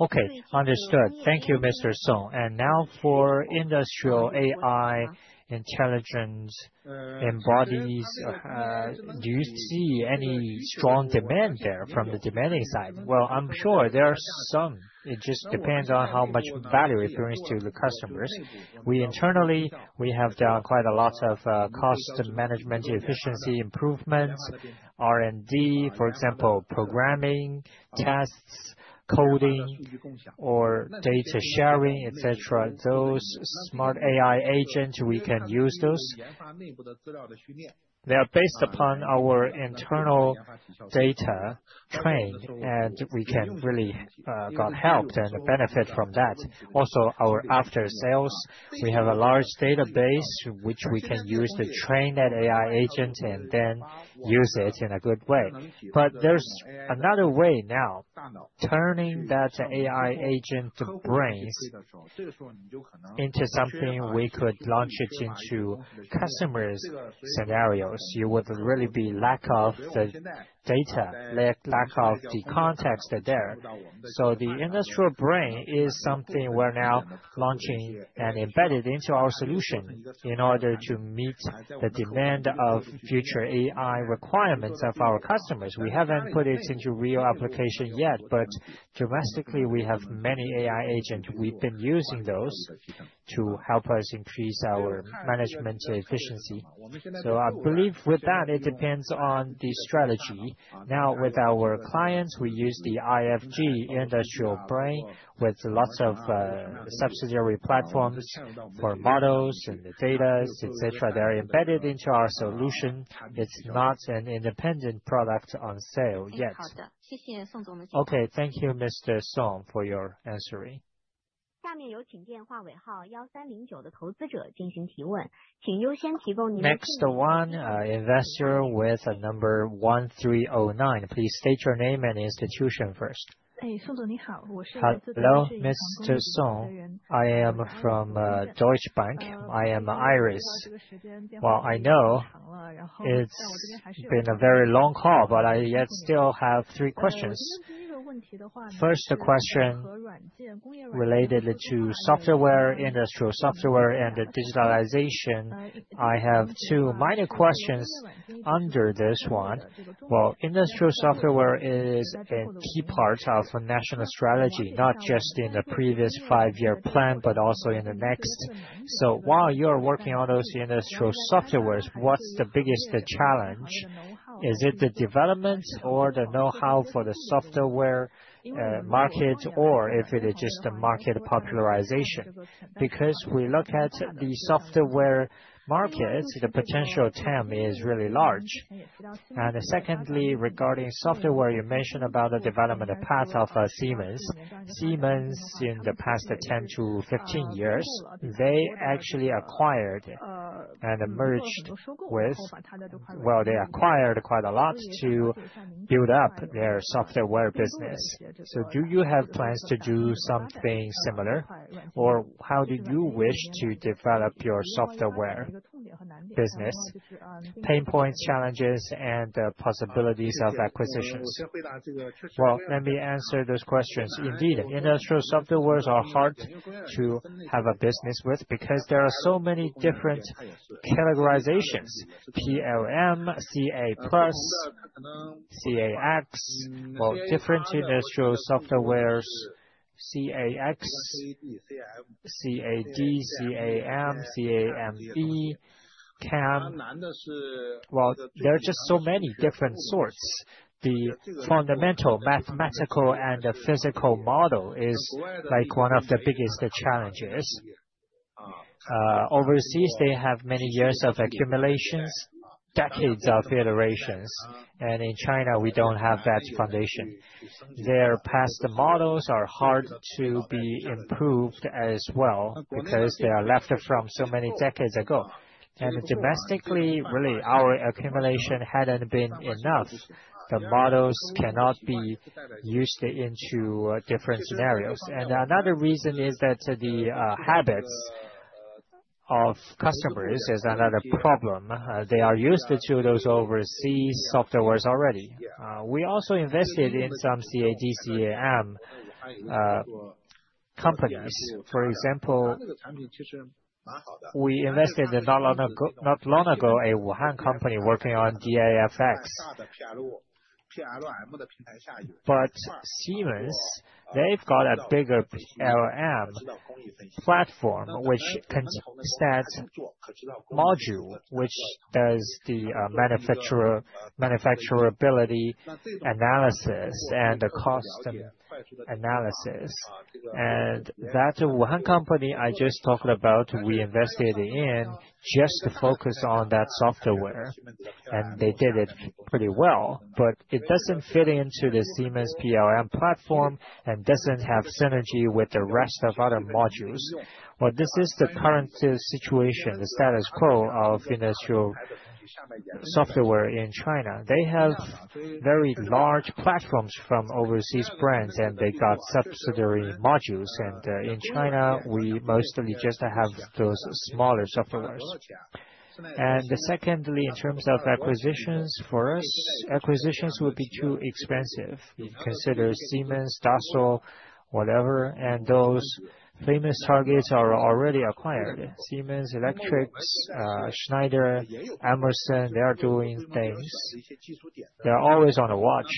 Okay. Understood. Thank you, Mr. Song. And now for industrial AI intelligence software, do you see any strong demand there from the demand side? Well, I'm sure there are some. It just depends on how much value it brings to the customers. We internally, we have done quite a lot of cost management, efficiency improvements, R&D, for example, programming, tests, coding, or data sharing, etc. Those smart AI agents, we can use those. They are based upon our internal data trained, and we can really get help and benefit from that. Also, our after-sales, we have a large database, which we can use to train that AI agent and then use it in a good way. But there's another way now, turning that AI agent brains into something we could launch into customers' scenarios. You would really be lack of the data, lack of the context there. So the industrial brain is something we're now launching and embedded into our solution in order to meet the demand of future AI requirements of our customers. We haven't put it into real application yet, but domestically, we have many AI agents. We've been using those to help us increase our management efficiency. So I believe with that, it depends on the strategy. Now, with our clients, we use the IFG industrial brain with lots of subsidiary platforms for models and the data, etc. They're embedded into our solution. It's not an independent product on sale yet. Okay. Thank you, Mr. Song, for your answering. Next one, investor with number 1309. Please state your name and institution first. Hello, Mr. Song. I am from Deutsche Bank. I am Iris. Well, I know it's been a very long call, but I still have three questions. First question related to software, industrial software, and digitalization. I have two minor questions under this one. Well, industrial software is a key part of national strategy, not just in the previous five-year plan, but also in the next. So while you're working on those industrial softwares, what's the biggest challenge? Is it the development or the know-how for the software market, or if it is just the market popularization? Because we look at the software market, the potential TAM is really large. And secondly, regarding software, you mentioned about the development path of Siemens. Siemens in the past 10-15 years, they actually acquired and merged with, well, they acquired quite a lot to build up their software business. So do you have plans to do something similar, or how do you wish to develop your software business? Pain points, challenges, and possibilities of acquisitions. Well, let me answer those questions. Indeed, industrial software is hard to have a business with because there are so many different categorizations: PLM, CAE, CAx, well, different industrial softwares, CAx, CAD, CAM, CAE, CAM. There are just so many different sorts. The fundamental mathematical and physical model is one of the biggest challenges. Overseas, they have many years of accumulations, decades of iterations. And in China, we don't have that foundation. Their past models are hard to be improved as well because they are left from so many decades ago. And domestically, really, our accumulation hadn't been enough. The models cannot be used into different scenarios. And another reason is that the habits of customers is another problem. They are used to those overseas software already. We also invested in some CAD, CAM companies. For example, we invested not long ago in a Wuhan company working on DfX. But Siemens, they've got a bigger PLM platform, which can standard module, which does the manufacturability analysis and the cost analysis. And that Wuhan company I just talked about, we invested in just to focus on that software. And they did it pretty well. But it doesn't fit into the Siemens PLM platform and doesn't have synergy with the rest of other modules. Well, this is the current situation, the status quo of industrial software in China. They have very large platforms from overseas brands, and they got subsidiary modules. And in China, we mostly just have those smaller softwares. And secondly, in terms of acquisitions for us, acquisitions would be too expensive. You consider Siemens, Dassault, whatever, and those famous targets are already acquired. Siemens Electrics, Schneider, Emerson, they are doing things. They're always on the watch.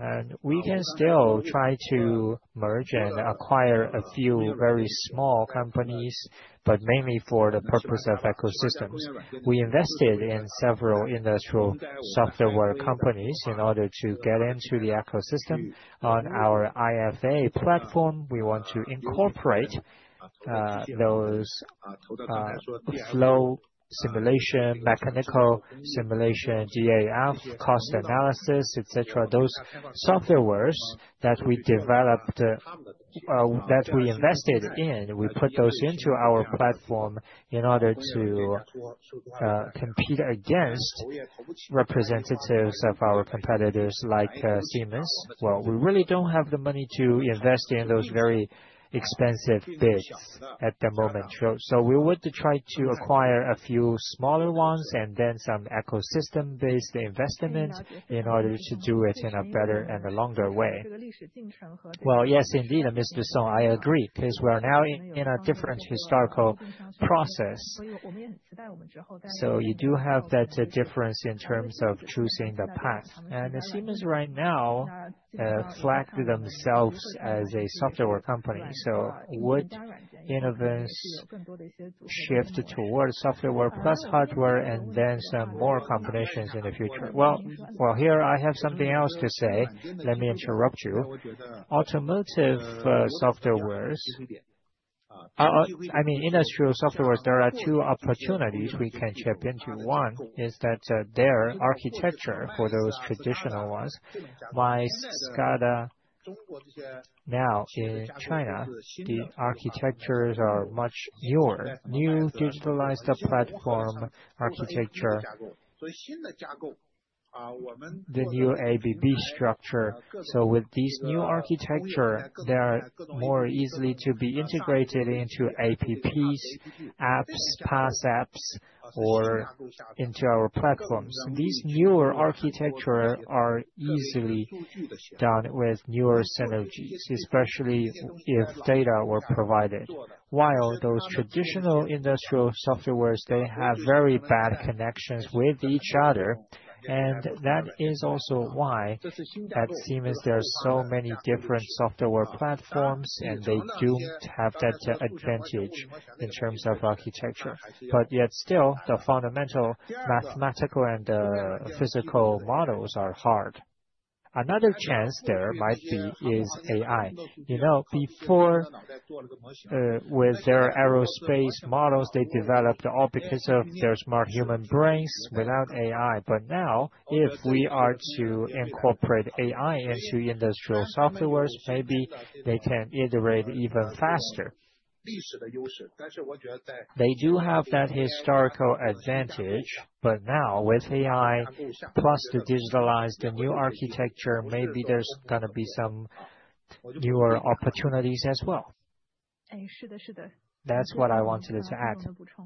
And we can still try to merge and acquire a few very small companies, but mainly for the purpose of ecosystems. We invested in several industrial software companies in order to get into the ecosystem. On our FA platform, we want to incorporate those flow simulation, mechanical simulation, DfX, cost analysis, etc. Those software worlds that we developed, that we invested in, we put those into our platform in order to compete against representatives of our competitors like Siemens. Well, we really don't have the money to invest in those very expensive bids at the moment. So we would try to acquire a few smaller ones and then some ecosystem-based investment in order to do it in a better and a longer way. Well, yes, indeed, Mr. Song, I agree because we are now in a different historical process. So you do have that difference in terms of choosing the path. And Siemens right now flagged themselves as a software company. So would Inovance shift towards software plus hardware and then some more combinations in the future? Well, here I have something else to say. Let me interrupt you. Automotive software worlds, I mean, industrial software worlds, there are two opportunities we can chip into. One is that their architecture for those traditional ones, my SCADA now in China, the architectures are much newer, new digitalized platform architecture, the new ABB structure. So with these new architectures, they are more easily to be integrated into APIs, apps, PaaS apps, or into our platforms. These newer architectures are easily done with newer synergies, especially if data were provided. While those traditional industrial software worlds, they have very bad connections with each other. And that is also why at Siemens, there are so many different software platforms, and they don't have that advantage in terms of architecture. But yet still, the fundamental mathematical and physical models are hard. Another chance there might be is AI. Before, with their aerospace models, they developed all because of their smart human brains without AI. But now, if we are to incorporate AI into industrial software world, maybe they can iterate even faster. They do have that historical advantage, but now with AI plus the digitalized, the new architecture, maybe there's going to be some newer opportunities as well. That's what I wanted to add.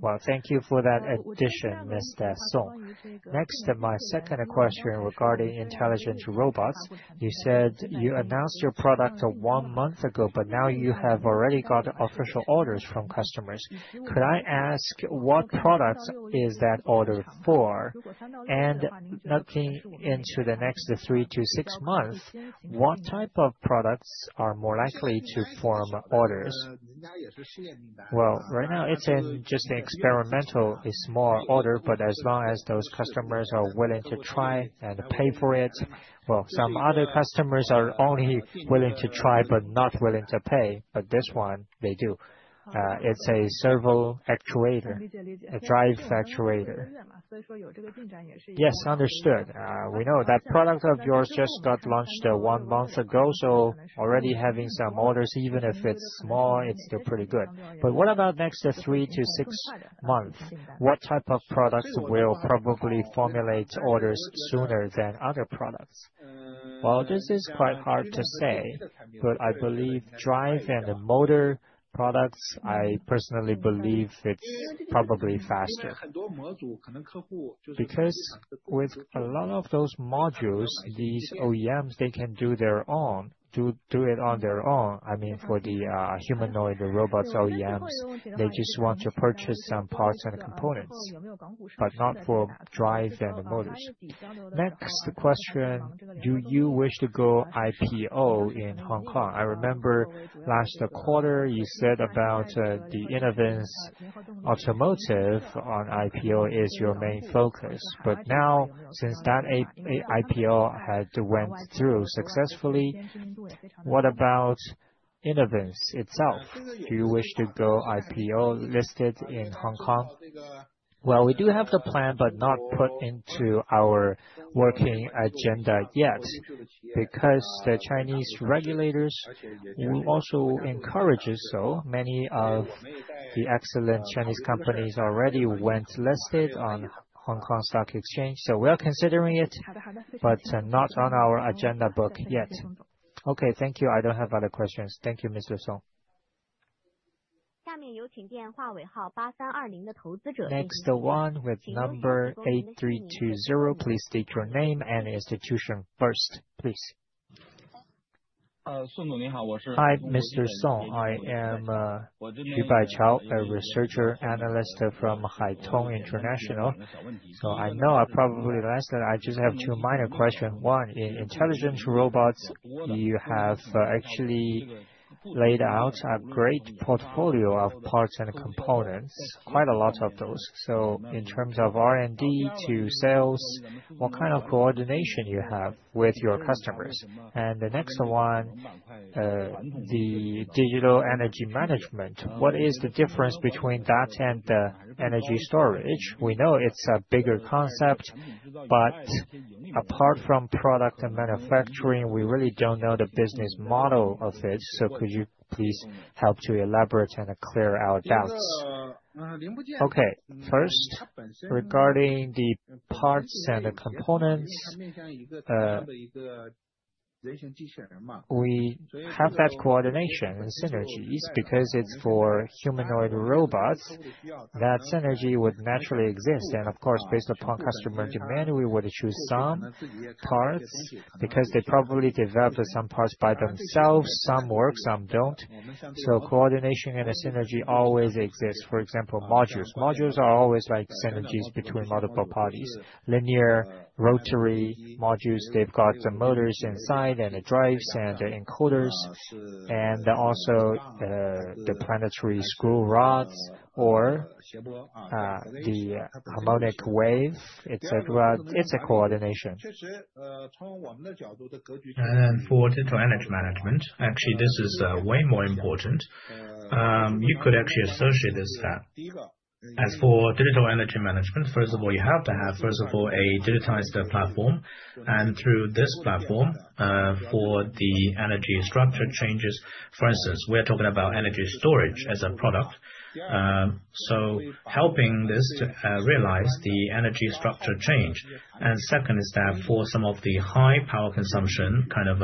Well, thank you for that addition, Mr. Song. Next, my second question regarding intelligent robots. You said you announced your product one month ago, but now you have already got official orders from customers. Could I ask what product is that order for? And looking into the next three to six months, what type of products are more likely to form orders? Well, right now, it's just an experimental small order, but as long as those customers are willing to try and pay for it. Well, some other customers are only willing to try but not willing to pay. But this one, they do. It's a servo actuator, a drive actuator. Yes, understood. We know that product of yours just got launched one month ago, so already having some orders, even if it's small, it's still pretty good. But what about next three to six months? What type of products will probably formulate orders sooner than other products? Well, this is quite hard to say, but I believe drive and motor products. I personally believe it's probably faster. Because with a lot of those modules, these OEMs, they can do their own, do it on their own. I mean, for the humanoid robots OEMs, they just want to purchase some parts and components, but not for drives and motors. Next question, do you wish to go IPO in Hong Kong? I remember last quarter, you said about the Inovance Automotive on IPO is your main focus. But now, since that IPO had went through successfully, what about Inovance itself? Do you wish to go IPO listed in Hong Kong? Well, we do have the plan, but not put into our working agenda yet because the Chinese regulators also encourage it. So many of the excellent Chinese companies already went listed on Hong Kong Stock Exchange. So we are considering it, but not on our agenda book yet. Okay, thank you. I don't have other questions. Thank you, Mr. Song. Next one with number 8320. Please state your name and institution first, please. Hi, Mr. Song. I am Yu Baichao, a research analyst from Haitong International. So I know I'm probably last, I just have two minor questions. One, in intelligent robots, you have actually laid out a great portfolio of parts and components, quite a lot of those. So in terms of R&D to sales, what kind of coordination do you have with your customers? And the next one, the Digital Energy Management, what is the difference between that and the energy storage? We know it's a bigger concept, but apart from product and manufacturing, we really don't know the business model of it. So could you please help to elaborate and clear our doubts? Okay. First, regarding the parts and the components, we have that coordination and synergies because it's for humanoid robots. That synergy would naturally exist. And of course, based upon customer demand, we would choose some parts because they probably developed some parts by themselves, some work, some don't. So coordination and a synergy always exist. For example, modules. Modules are always like synergies between multiple parties. Linear rotary modules, they've got the motors inside and the drives and the encoders. And also the planetary screw rods or the harmonic wave, etc. It's a coordination. And for Digital Energy Management, actually, this is way more important. You could actually associate this as for Digital Energy Management. First of all, you have to have, first of all, a digitized platform. And through this platform, for the energy structure changes, for instance, we're talking about energy storage as a product. So helping this to realize the energy structure change. And second step for some of the high power consumption kind of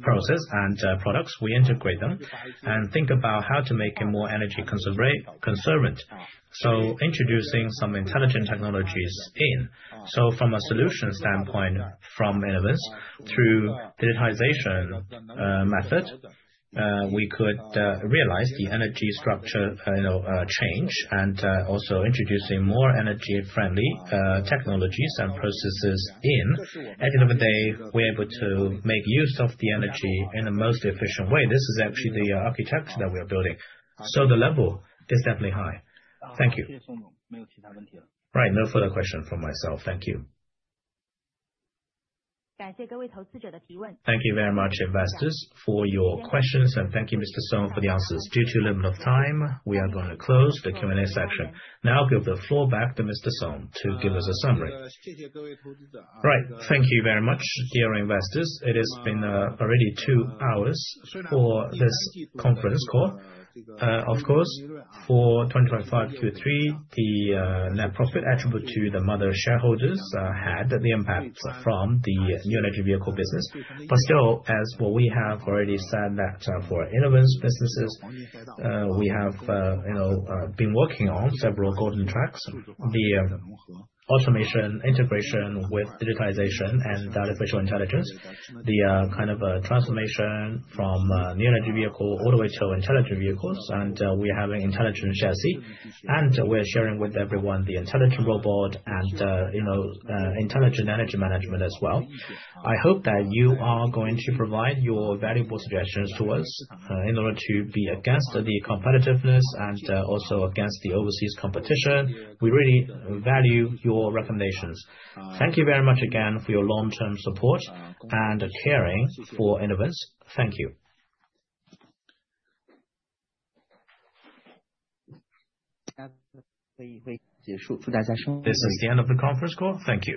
process and products, we integrate them and think about how to make it more energy conserving. So introducing some intelligent technologies in. So from a solution standpoint, from Inovance through digitization method, we could realize the energy structure change and also introducing more energy-friendly technologies and processes in. At the end of the day, we're able to make use of the energy in the most efficient way. This is actually the architecture that we are building. So the level is definitely high. Thank you. Right. No further question from myself. Thank you. Thank you very much, investors, for your questions. And thank you, Mr. Song, for the answers. Due to limit of time, we are going to close the Q&A section. Now I'll give the floor back to Mr. Song to give us a summary. Right. Thank you very much, dear investors. It has been already two hours for this conference call. Of course, for 2024 Q3, the net profit attributable to the parent shareholders had the impact from the new energy vehicle business. But still, as we have already said, that for Inovance's businesses, we have been working on several golden tracks: the automation integration with digitization and artificial intelligence, the kind of transformation from new energy vehicle all the way to intelligent vehicles, and we have an intelligent chassis, and we're sharing with everyone the Intelligent Robot and Intelligent Energy Management as well. I hope that you are going to provide your valuable suggestions to us in order to be against the competitiveness and also against the overseas competition. We really value your recommendations. Thank you very much again for your long-term support and caring for Inovance. Thank you. This is the end of the conference call. Thank you.